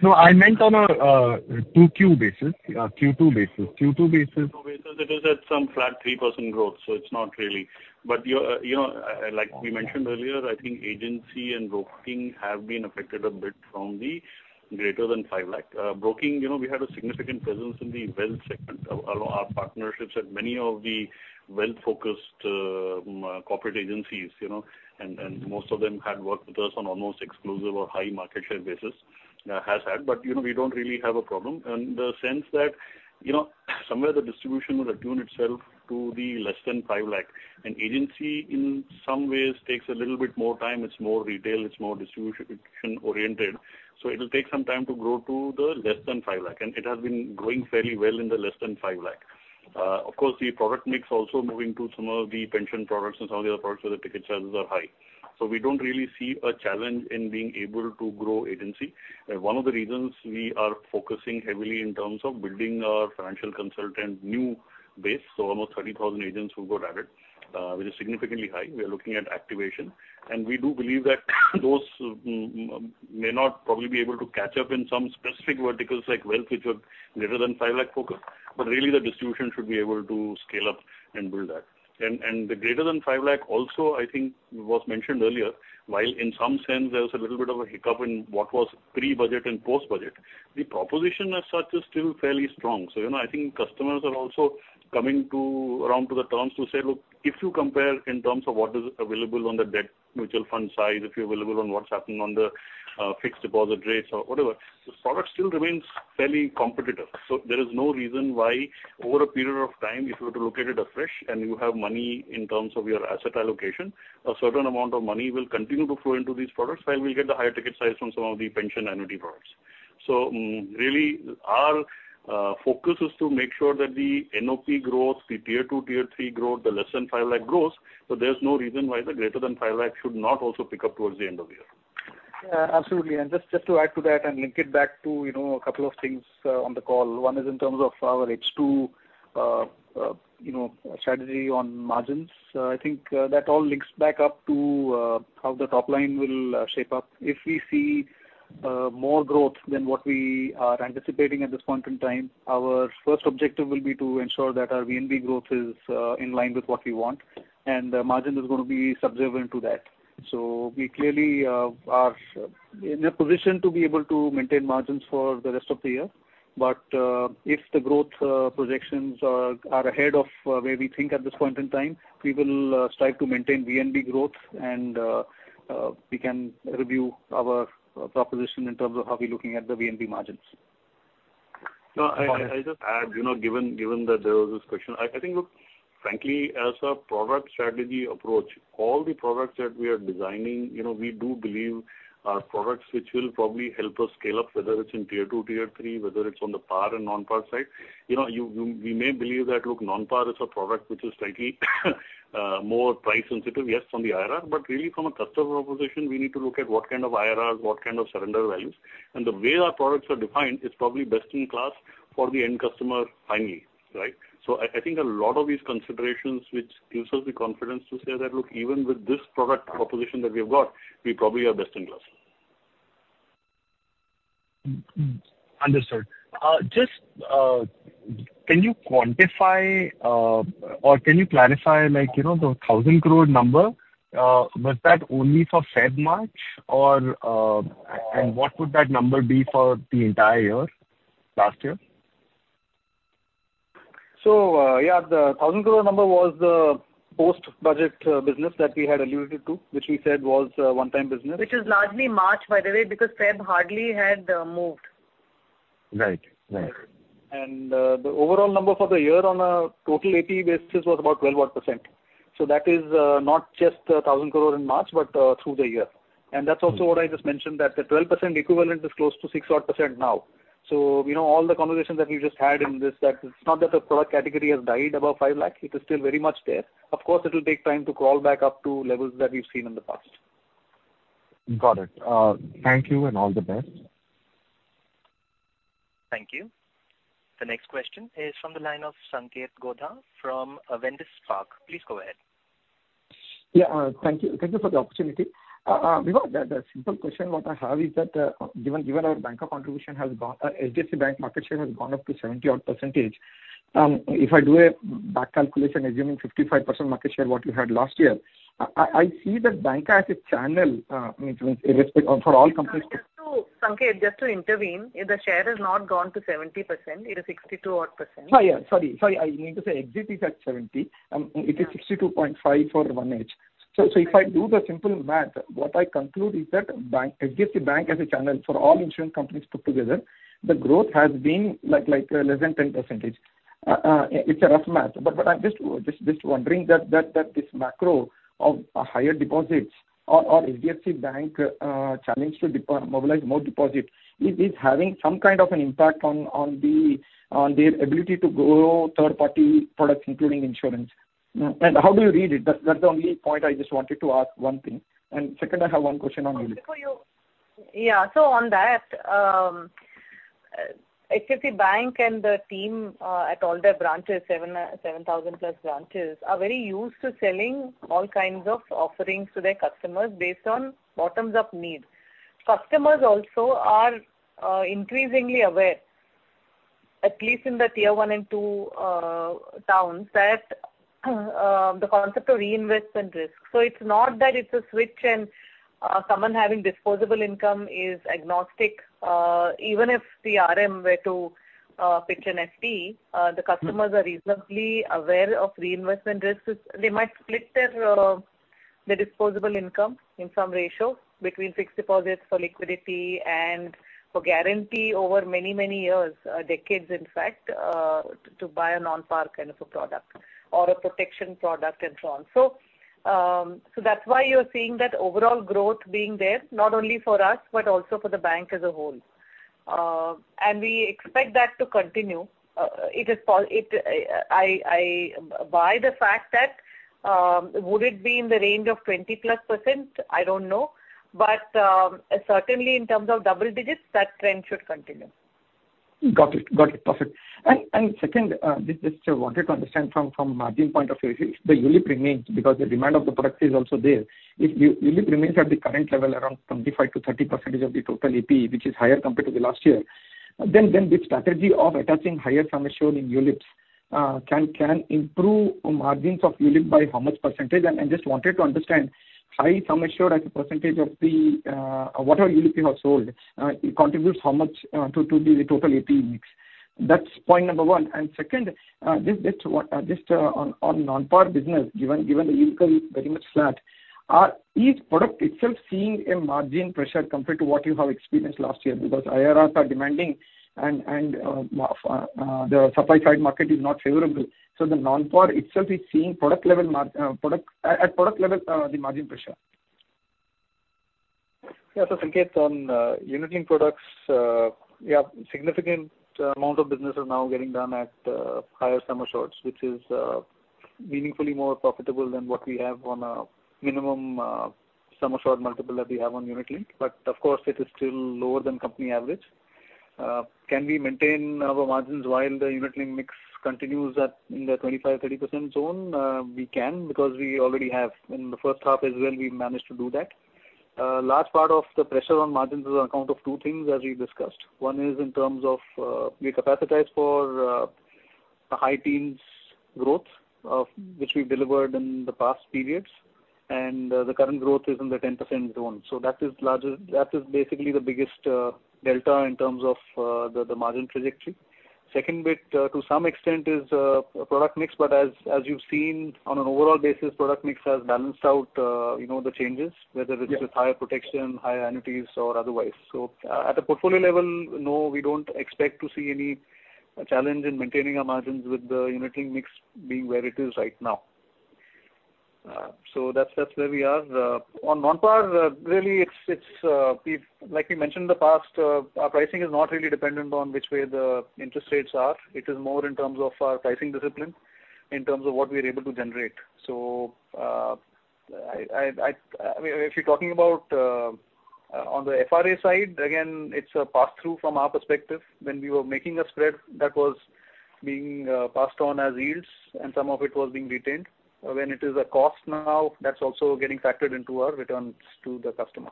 No, I meant on a 2Q basis, Q2 basis. Q2 basis. Q2 basis, it is at some flat 3% growth, so it's not really. But you're, you know, like we mentioned earlier, I think agency and broking have been affected a bit from the greater than 5 lakh. Broking, you know, we had a significant presence in the wealth segment. Our partnerships at many of the wealth-focused, corporate agencies, you know, and, and most of them had worked with us on almost exclusive or high market share basis, has had. But, you know, we don't really have a problem in the sense that, you know, somewhere the distribution will attune itself to the less than 5 lakh. And agency, in some ways takes a little bit more time. It's more retail, it's more distribution-oriented, so it will take some time to grow to the less than 5 lakh. It has been growing fairly well in the less than 5 lakh. Of course, the product mix also moving to some of the pension products and some of the other products where the ticket charges are high. So we don't really see a challenge in being able to grow agency. And one of the reasons we are focusing heavily in terms of building our financial consultant new base, so almost 30,000 agents who got added, which is significantly high. We are looking at activation, and we do believe that those may not probably be able to catch up in some specific verticals like wealth, which were greater than 5 lakh focused, but really, the distribution should be able to scale up and build that. And the greater than 5 lakh also, I think was mentioned earlier, while in some sense there was a little bit of a hiccup in what was pre-budget and post-budget, the proposition as such is still fairly strong. So, you know, I think customers are also coming to... around to the terms to say, look, if you compare in terms of what is available on the debt mutual fund side, if you're available on what's happened on the fixed deposit rates or whatever, the product still remains fairly competitive. So there is no reason why over a period of time, if you were to look at it afresh and you have money in terms of your asset allocation, a certain amount of money will continue to flow into these products, while we get the higher ticket size from some of the pension annuity products. Really, our focus is to make sure that the NOP growth, the Tier 2, Tier 3 growth, the less than 5 lakh grows, so there's no reason why the greater than 5 lakh should not also pick up towards the end of the year.... Yeah, absolutely. And just to add to that and link it back to, you know, a couple of things on the call. One is in terms of our H2, you know, strategy on margins. I think that all links back up to how the top line will shape up. If we see more growth than what we are anticipating at this point in time, our first objective will be to ensure that our VNB growth is in line with what we want, and the margin is going to be subservient to that. So we clearly are in a position to be able to maintain margins for the rest of the year, but if the growth projections are ahead of where we think at this point in time, we will strive to maintain VNB growth and we can review our proposition in terms of how we're looking at the VNB margins. No, I just add, you know, given that there was this question. I think, look, frankly, as a product strategy approach, all the products that we are designing, you know, we do believe are products which will probably help us scale up, whether it's in Tier 2, Tier 3, whether it's on the Par and non-par side. You know, we may believe that, look, non-par is a product which is slightly more price sensitive, yes, from the IRR, but really from a customer proposition, we need to look at what kind of IRRs, what kind of surrender values. And the way our products are defined is probably best in class for the end customer finally, right? So I think a lot of these considerations, which gives us the confidence to say that, look, even with this product proposition that we have got, we probably are best in class. Mm-hmm. Understood. Just, can you quantify or can you clarify, like, you know, the 1,000 crore number, was that only for February-March or, and what would that number be for the entire year, last year? So, yeah, the 1,000 crore number was the post-budget business that we had alluded to, which we said was a one-time business. Which is largely March, by the way, because Feb hardly had moved. Right. Right. The overall number for the year on a total AP basis was about 12-odd %. So that is not just 1,000 crore in March, but through the year. And that's also what I just mentioned, that the 12% equivalent is close to 6-odd% now. So, you know, all the conversations that we just had in this, that it's not that the product category has died above 5 lakh. It is still very much there. Of course, it will take time to crawl back up to levels that we've seen in the past. Got it. Thank you, and all the best. Thank you. The next question is from the line of Sanketh Godha from Avendus Spark. Please go ahead. Yeah, thank you. Thank you for the opportunity. Vibha, the simple question what I have is that, given our banker contribution has gone, HDFC Bank market share has gone up to 70-odd%, if I do a back calculation, assuming 55% market share, what you had last year, I see that banca as a channel, means with respect for all companies- Just to, Sanketh, just to intervene, the share has not gone to 70%. It is 62-odd%. Oh, yeah, sorry. Sorry, I mean to say HDFC is at 70. It is 62.5 for 1H. So if I do the simple math, what I conclude is that bank, HDFC Bank as a channel for all insurance companies put together, the growth has been like less than 10%. It's a rough math, but I'm just wondering that this macro of a higher deposits or HDFC Bank challenge to deposit-mobilize more deposits, is having some kind of an impact on their ability to grow third-party products, including insurance? And how do you read it? That's the only point I just wanted to ask one thing. And second, I have one question on ULIP. Before you... Yeah, so on that, HDFC Bank and the team, at all their branches, 7,000+ branches, are very used to selling all kinds of offerings to their customers based on bottoms-up needs. Customers also are, increasingly aware, at least in the Tier 1 and 2, towns, that, the concept of reinvestment risk. So it's not that it's a switch and, someone having disposable income is agnostic. Even if the RM were to, pitch an FP, the customers are reasonably aware of reinvestment risks. They might split their, their disposable income in some ratio between fixed deposits for liquidity and for guarantee over many, many years, decades, in fact, to buy a non-par kind of a product or a protection product and so on. That's why you're seeing that overall growth being there, not only for us, but also for the bank as a whole. We expect that to continue. It is pol-- I, I, by the fact that, would it be in the range of 20+%? I don't know. Certainly in terms of double digits, that trend should continue. Got it. Got it. Perfect. Just wanted to understand from, from margin point of view, if the ULIP remains, because the demand of the product is also there. If the ULIP remains at the current level, around 25%-30% of the total APE, which is higher compared to last year, this strategy of attaching higher sum assured in ULIPs can improve margins of ULIP by how much percentage? I just wanted to understand how sum assured as a percentage of the, whatever ULIP you have sold, it contributes how much to the total APE mix. That's point number one. And second, just on non-par business, given the ULIP is very much flat, is each product itself seeing margin pressure compared to what you have experienced last year? Because IRRs are demanding and the supply side market is not favorable. So the non-par itself is seeing product level margin pressure. At product level, the margin pressure. Yeah, so Sanketh, on ULIP products, yeah, significant amount of business is now getting done at higher sum assureds, which is meaningfully more profitable than what we have on a minimum sum assured multiple that we have on Unit Link. But of course it is still lower than company average. Can we maintain our margins while the Unit Link mix continues at, in the 25%-30% zone? We can, because we already have. In the first half as well, we managed to do that. Large part of the pressure on margins is on account of two things, as we discussed. One is in terms of we capacitize for the high teens growth, which we've delivered in the past periods, and the current growth is in the 10% zone. So that is larger—that is basically the biggest delta in terms of the margin trajectory. Second bit, to some extent is product mix, but as you've seen on an overall basis, product mix has balanced out, you know, the changes- Yeah.... whether it is with higher protection, higher annuities, or otherwise. So, at a portfolio level, no, we don't expect to see any challenge in maintaining our margins with the Unit Link mix being where it is right now. So that's, that's where we are. On non-par, really, it's, it's, we've like we mentioned in the past, our pricing is not really dependent on which way the interest rates are. It is more in terms of our pricing discipline, in terms of what we are able to generate. So, I mean, if you're talking about on the FRA side, again, it's a pass-through from our perspective. When we were making a spread that was being passed on as yields and some of it was being retained, when it is a cost now, that's also getting factored into our returns to the customer.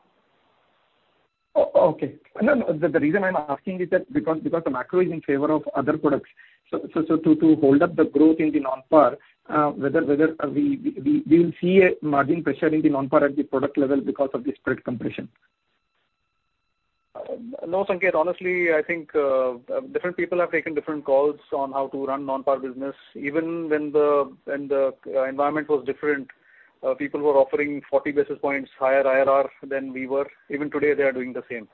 Oh, okay. No, no, the reason I'm asking is that because the macro is in favor of other products. So to hold up the growth in the non-par, whether we will see a margin pressure in the non-par at the product level because of the spread compression. No, Sanketh, honestly, I think, different people have taken different calls on how to run non-par business. Even when the environment was different, people were offering 40 basis points higher IRR than we were. Even today, they are doing the same.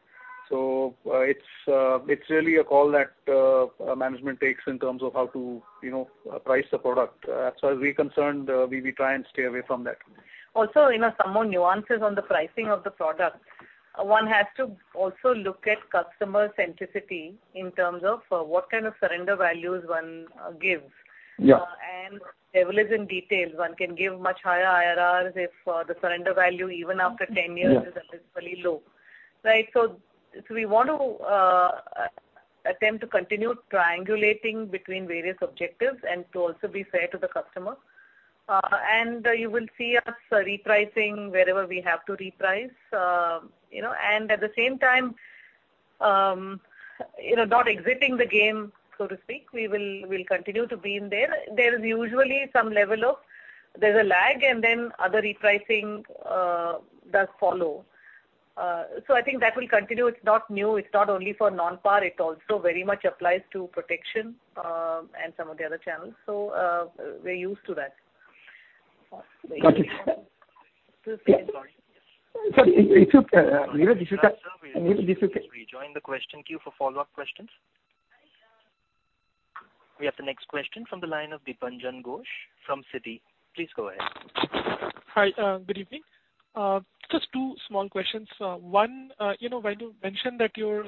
So, it's really a call that management takes in terms of how to, you know, price the product. As far as we're concerned, we try and stay away from that. Also, you know, some more nuances on the pricing of the product. One has to also look at customer centricity in terms of what kind of surrender values one gives. Yeah. Devil is in details. One can give much higher IRRs if the surrender value, even after 10 years- Yeah It is relatively low. Right. So, so we want to attempt to continue triangulating between various objectives and to also be fair to the customer. And you will see us repricing wherever we have to reprice. You know, and at the same time, you know, not exiting the game, so to speak, we will, we'll continue to be in there. There is usually some level of... There's a lag, and then other repricing does follow. So I think that will continue. It's not new. It's not only for non-par, it also very much applies to protection, and some of the other channels. So, we're used to that. Got it. Sorry. Sorry, if you, Niraj, if you can- Rejoin the question queue for follow-up questions. We have the next question from the line of Dipanjan Ghosh from Citi. Please go ahead. Hi, good evening. Just two small questions. One, you know, when you mentioned that your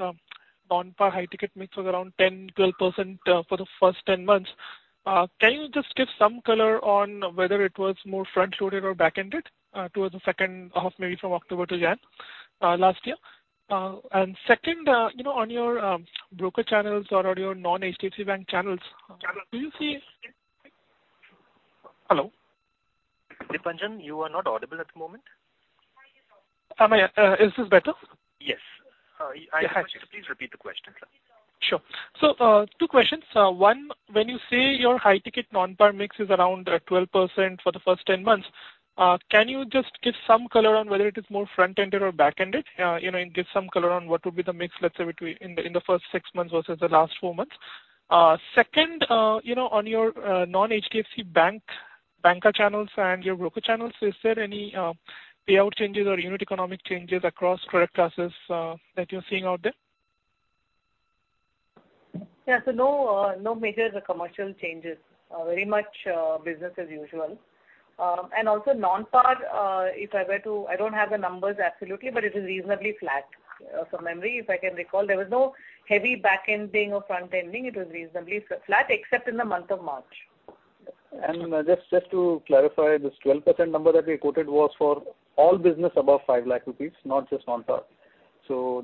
non-par high ticket mix was around 10, 12%, for the first 10 months, can you just give some color on whether it was more front-loaded or back-ended, towards the second half, maybe from October to January, last year? And second, you know, on your broker channels or on your non-HDFC Bank channels, do you see... Hello? Dipanjan, you are not audible at the moment. Am I? Is this better? Yes. Yeah, hi. Please repeat the question, sir. Sure. So, two questions. One, when you say your high-ticket non-par mix is around, 12% for the first 10 months, can you just give some color on whether it is more front-ended or back-ended? You know, and give some color on what would be the mix, let's say, between in the first six months versus the last four months. Second, you know, on your, non-HDFC Bank, banker channels and your broker channels, is there any, payout changes or unit economic changes across product classes, that you're seeing out there? Yeah. So no, no major commercial changes. Very much, business as usual. And also non-par, if I were to, I don't have the numbers exactly, but it is reasonably flat. From memory, if I can recall, there was no heavy back-ending or front-ending. It was reasonably flat, except in the month of March. Just to clarify, this 12% number that we quoted was for all business above 5 lakh rupees, not just non-par.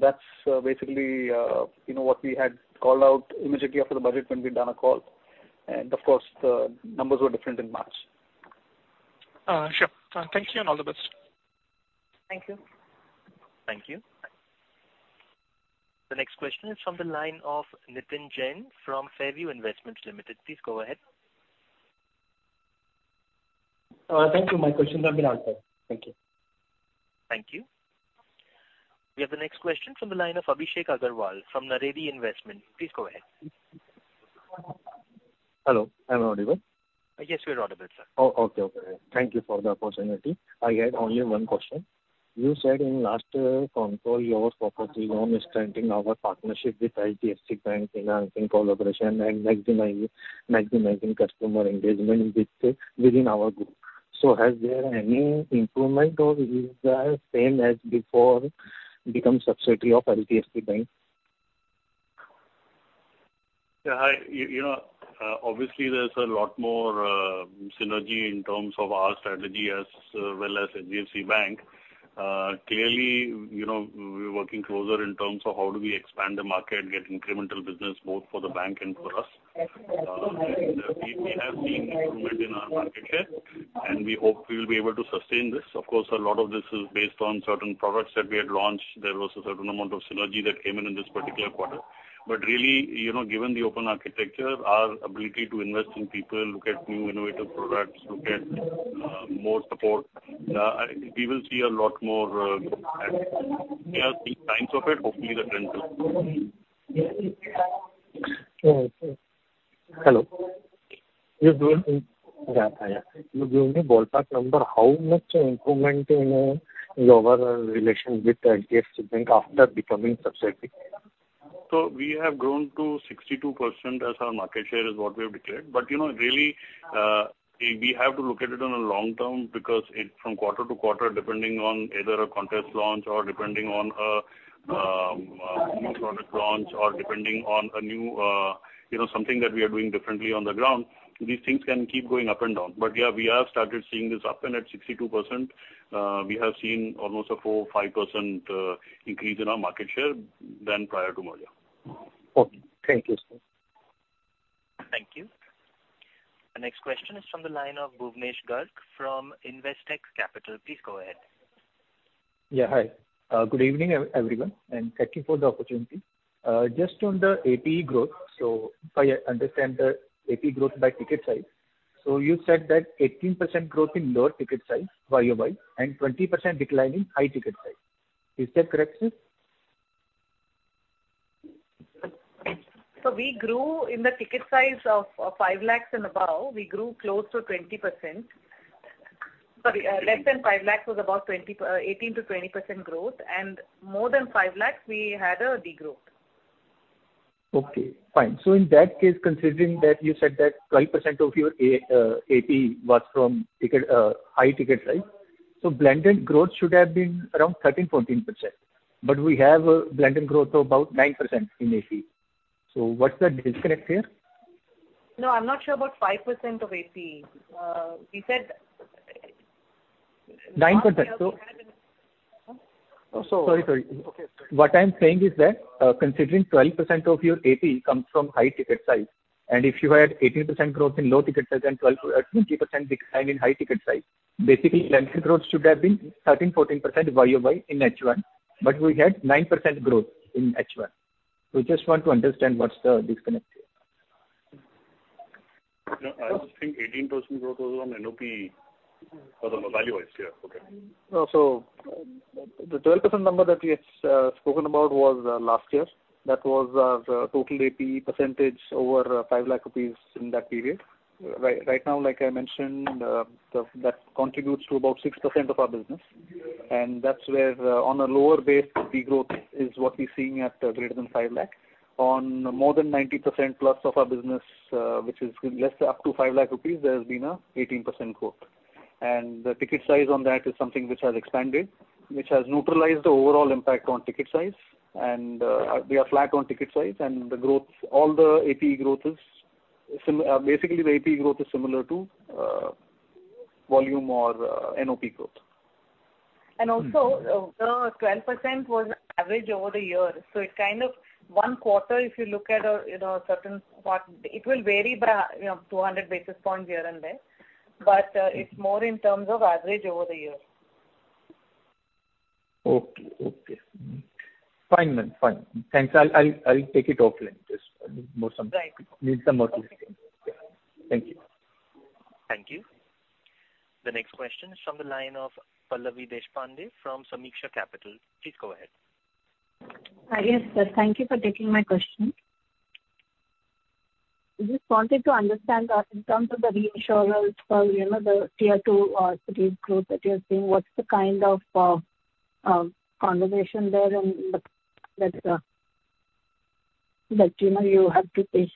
That's basically, you know, what we had called out immediately after the budget when we'd done a call. Of course, the numbers were different in March. Sure. Thank you, and all the best. Thank you. Thank you. The next question is from the line of Nitin Jain from Fairview Investments Ltd. Please go ahead. Thank you. My questions have been answered. Thank you. Thank you. We have the next question from the line of Abhishek Agarwal from Naredi Investment. Please go ahead. Hello, am I audible? Yes, you are audible, sir. Oh, okay. Okay. Thank you for the opportunity. I had only one question. You said in last quarter, your focus is on strengthening our partnership with HDFC Bank, enhancing collaboration and maximizing, maximizing customer engagement within our group. So has there any improvement or is the same as before become subsidiary of HDFC Bank?... Yeah, hi. You, you know, obviously, there's a lot more synergy in terms of our strategy as well as HDFC Bank. Clearly, you know, we're working closer in terms of how do we expand the market, get incremental business, both for the bank and for us. We, we have seen improvement in our market share, and we hope we will be able to sustain this. Of course, a lot of this is based on certain products that we had launched. There was a certain amount of synergy that came in in this particular quarter. But really, you know, given the open architecture, our ability to invest in people, look at new innovative products, look at more support, I think we will see a lot more, you know, we have seen signs of it, hopefully the trend too. Okay. Hello. You give me, yeah, hi, yeah. You give me ballpark number, how much improvement in, in your relation with HDFC Bank after becoming subsidiary? So we have grown to 62% as our market share is what we have declared. But, you know, really, we, we have to look at it on a long term, because it from quarter to quarter, depending on either a contest launch or depending on a new product launch or depending on a new, you know, something that we are doing differently on the ground, these things can keep going up and down. But yeah, we have started seeing this up, and at 62%, we have seen almost a 4%-5% increase in our market share than prior to merger. Okay. Thank you, sir. Thank you. The next question is from the line of Bhuvnesh Garg from Investec Capital. Please go ahead. Yeah, hi. Good evening, everyone, and thank you for the opportunity. Just on the APE growth, so if I understand the APE growth by ticket size, so you said that 18% growth in lower ticket size YoY, and 20% decline in high ticket size. Is that correct, sir? We grew in the ticket size of 5 lakh and above, we grew close to 20%. Less than 5 lakh was about 18%-20% growth, and more than 5 lakh, we had a degrowth. Okay, fine. So in that case, considering that you said that 12% of your A, APE was from ticket, high ticket size, so blended growth should have been around 13%-14%. But we have a blended growth of about 9% in APE. So what's the disconnect here? No, I'm not sure about 5% of APE. He said- 9%. Huh? Sorry, sorry. Okay. What I'm saying is that, considering 12% of your APE comes from high ticket size, and if you had 18% growth in low ticket size and 12%-20% decline in high ticket size, basically, blended growth should have been 13%-14% YoY in H1, but we had 9% growth in H1. We just want to understand what's the disconnect here. No, I think 18% growth was on NOP or the value-wise, yeah. Okay. So the 12% number that we had spoken about was last year. That was the total APE percentage over 5 lakh rupees in that period. Right now, like I mentioned, that contributes to about 6% of our business. And that's where, on a lower base, degrowth is what we're seeing at greater than 5 lakh. On more than 90%+ of our business, which is less up to 5 lakh rupees, there has been an 18% growth. And the ticket size on that is something which has expanded, which has neutralized the overall impact on ticket size. And we are flat on ticket size and the growth, all the APE growth is sim- basically, the APE growth is similar to volume or NOP growth. And also, the 12% was average over the year, so it kind of one quarter, if you look at a, you know, a certain part, it will vary by, you know, 200 basis points here and there, but, it's more in terms of average over the year. Okay, okay. Fine, ma'am, fine. Thanks. I'll, I'll, I'll take it offline. Just more some- Right. Need some more... Thank you. Thank you. The next question is from the line of Pallavi Deshpande from Sameeksha Capital. Please go ahead. Hi, yes, sir. Thank you for taking my question. Just wanted to understand, in terms of the reinsurers for, you know, the Tier 2 cities growth that you're seeing, what's the kind of conversation there and that you know you have to face?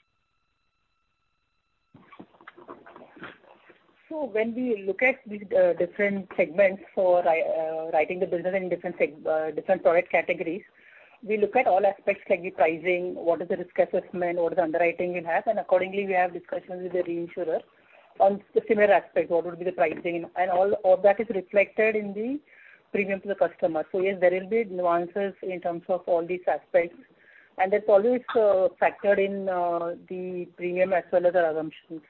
So when we look at the different segments for writing the business in different different product categories, we look at all aspects like the pricing, what is the risk assessment, what is the underwriting it has, and accordingly, we have discussions with the reinsurer on the similar aspect, what would be the pricing, and all that is reflected in the premium to the customer. So yes, there will be nuances in terms of all these aspects, and that's always factored in the premium as well as our assumptions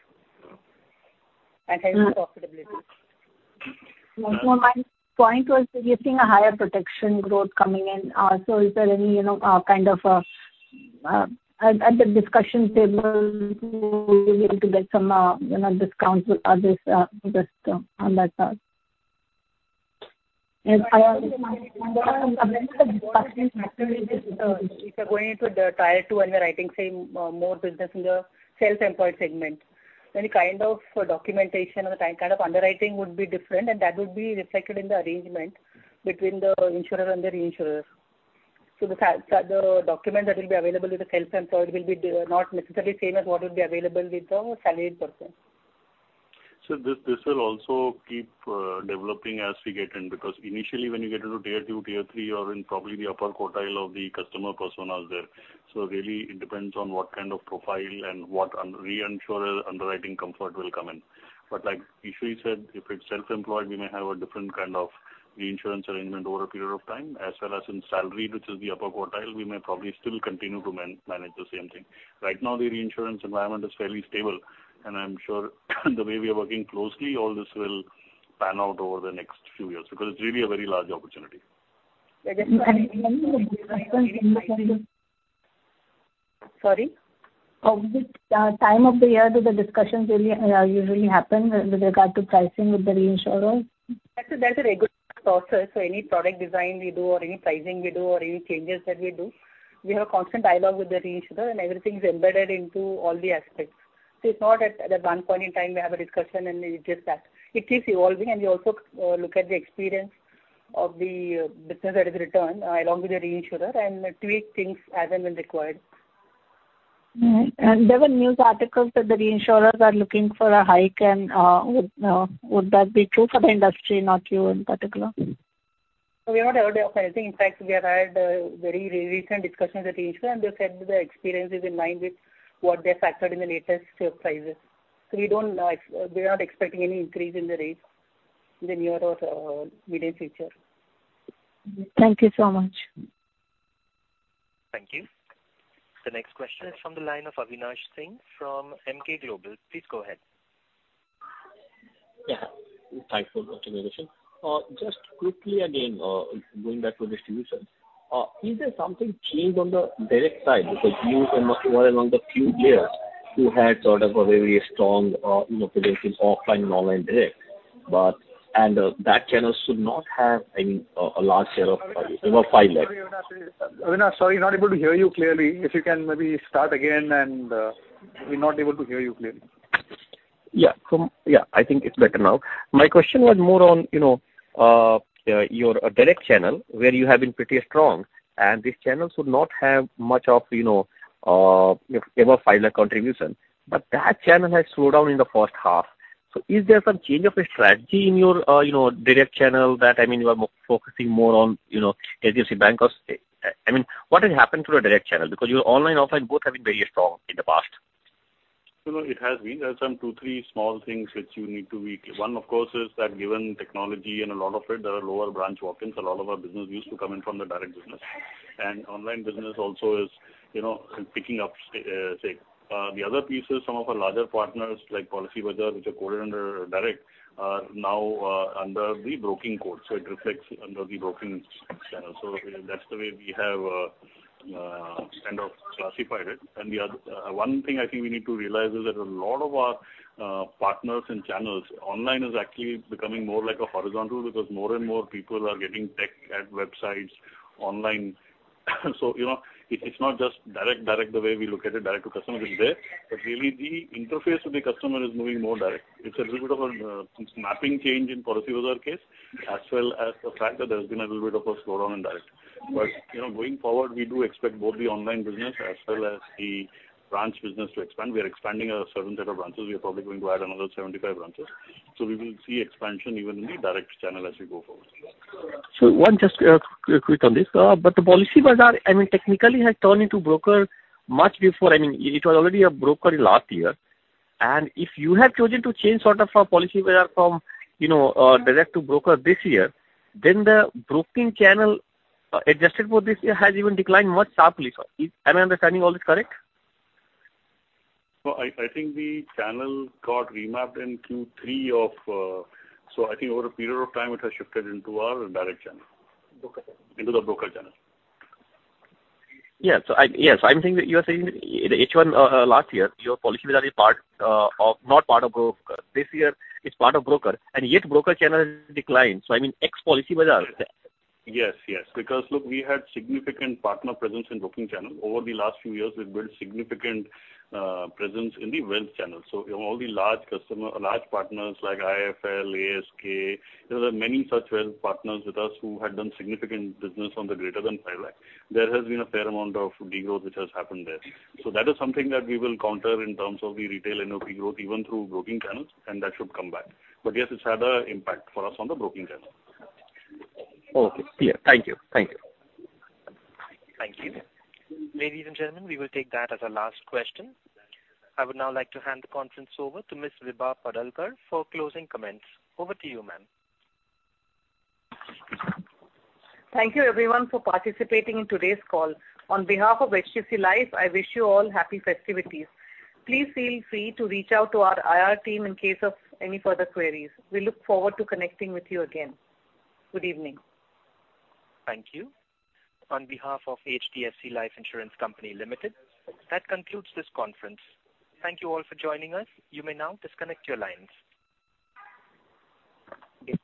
and hence the profitability. My point was, we're seeing a higher protection growth coming in. So is there any, you know, kind of, at the discussion table, we'll be able to get some, you know, discounts or others, just, on that part? And I,... If you are going into the Tier 2 and we're writing, say, more business in the self-employed segment, then the kind of documentation or the kind of underwriting would be different, and that would be reflected in the arrangement between the insurer and the reinsurer. So the document that will be available with the self-employed will be not necessarily same as what would be available with the salaried person. ... So this, this will also keep developing as we get in, because initially when you get into Tier 2, Tier 3, you are in probably the upper quartile of the customer personas there. So really, it depends on what kind of profile and what reinsurer underwriting comfort will come in. But like Eshwari said, if it's self-employed, we may have a different kind of reinsurance arrangement over a period of time, as well as in salary, which is the upper quartile, we may probably still continue to manage the same thing. Right now, the reinsurance environment is fairly stable, and I'm sure the way we are working closely, all this will pan out over the next few years, because it's really a very large opportunity. Sorry? Of the time of the year, do the discussions really usually happen with regard to pricing with the reinsurers? That's a regular process, so any product design we do or any pricing we do or any changes that we do, we have a constant dialogue with the reinsurer, and everything is embedded into all the aspects. So it's not at one point in time we have a discussion and it's just that. It keeps evolving, and we also look at the experience of the business that is returned along with the reinsurer, and tweak things as and when required. Mm-hmm. And there were news articles that the reinsurers are looking for a hike and would that be true for the industry, not you in particular? We are not aware of anything. In fact, we have had very recent discussions with the insurer, and they said that their experience is in line with what they factored in the latest prices. So we are not expecting any increase in the rates in the near or middle future. Thank you so much. Thank you. The next question is from the line of Avinash Singh from Emkay Global. Please go ahead. Yeah. Thanks for the continuation. Just quickly again, going back to distribution. Is there something changed on the direct side? Because you were among the few players who had sort of a very strong, you know, presence in offline and online direct, but and, that channel should not have any, a large share of, you know, 5 lakh. Avinash, sorry, not able to hear you clearly. If you can maybe start again and, we're not able to hear you clearly. Yeah. I think it's better now. My question was more on, you know, your direct channel, where you have been pretty strong, and this channel should not have much of, you know, if ever, 5 lakh contribution. That channel has slowed down in the first half. Is there some change of a strategy in your, you know, direct channel that, I mean, you are focusing more on, you know, HDFC Bank or sta- I mean, what has happened to your direct channel? Because your online, offline, both have been very strong in the past. You know, it has been. There are some two, three small things which you need to be... One, of course, is that given technology and a lot of it, there are lower branch walk-ins. A lot of our business used to come in from the direct business. And online business also is, you know, picking up, say. The other piece is some of our larger partners, like Policybazaar, which are quoted under direct, are now under the broking code, so it reflects under the broking channel. So that's the way we have kind of classified it. And the other one thing I think we need to realize is that a lot of our partners and channels, online is actually becoming more like a horizontal, because more and more people are getting tech at websites online. So, you know, it's not just direct, the way we look at it, direct to customer is there. But really, the interface with the customer is moving more direct. It's a little bit of a mapping change in Policybazaar case, as well as the fact that there's been a little bit of a slowdown in direct. But, you know, going forward, we do expect both the online business as well as the branch business to expand. We are expanding a certain set of branches. We are probably going to add another 75 branches. So we will see expansion even in the direct channel as we go forward. So one just quick on this. But the Policybazaar, I mean, technically has turned into broker much before. I mean, it was already a broker last year. And if you have chosen to change sort of from Policybazaar from, you know, direct to broker this year, then the broking channel, adjusted for this year, has even declined much sharply. So am I understanding all this correct? No, I think the channel got remapped in Q3 of. So, I think over a period of time, it has shifted into our direct channel. Broker channel. Into the broker channel. Yeah. So yes, I'm saying that you are saying in H1 last year, your Policybazaar is part of, not part of broker. This year, it's part of broker, and yet broker channel has declined. So I mean, ex Policybazaar. Yes, yes, because look, we had significant partner presence in broking channel. Over the last few years, we've built significant presence in the wealth channel. So all the large customer, large partners like IIFL, ASK, there are many such wealth partners with us who had done significant business on the greater than 5 lakh. There has been a fair amount of de-growth which has happened there. So that is something that we will counter in terms of the retail AOV growth, even through broking channels, and that should come back. But yes, it's had an impact for us on the broking channel. Okay. Clear. Thank you. Thank you. Thank you. Ladies and gentlemen, we will take that as our last question. I would now like to hand the conference over to Ms. Vibha Padalkar for closing comments. Over to you, ma'am. Thank you everyone for participating in today's call. On behalf of HDFC Life, I wish you all happy festivities. Please feel free to reach out to our IR team in case of any further queries. We look forward to connecting with you again. Good evening. Thank you. On behalf of HDFC Life Insurance Co Ltd, that concludes this conference. Thank you all for joining us. You may now disconnect your lines.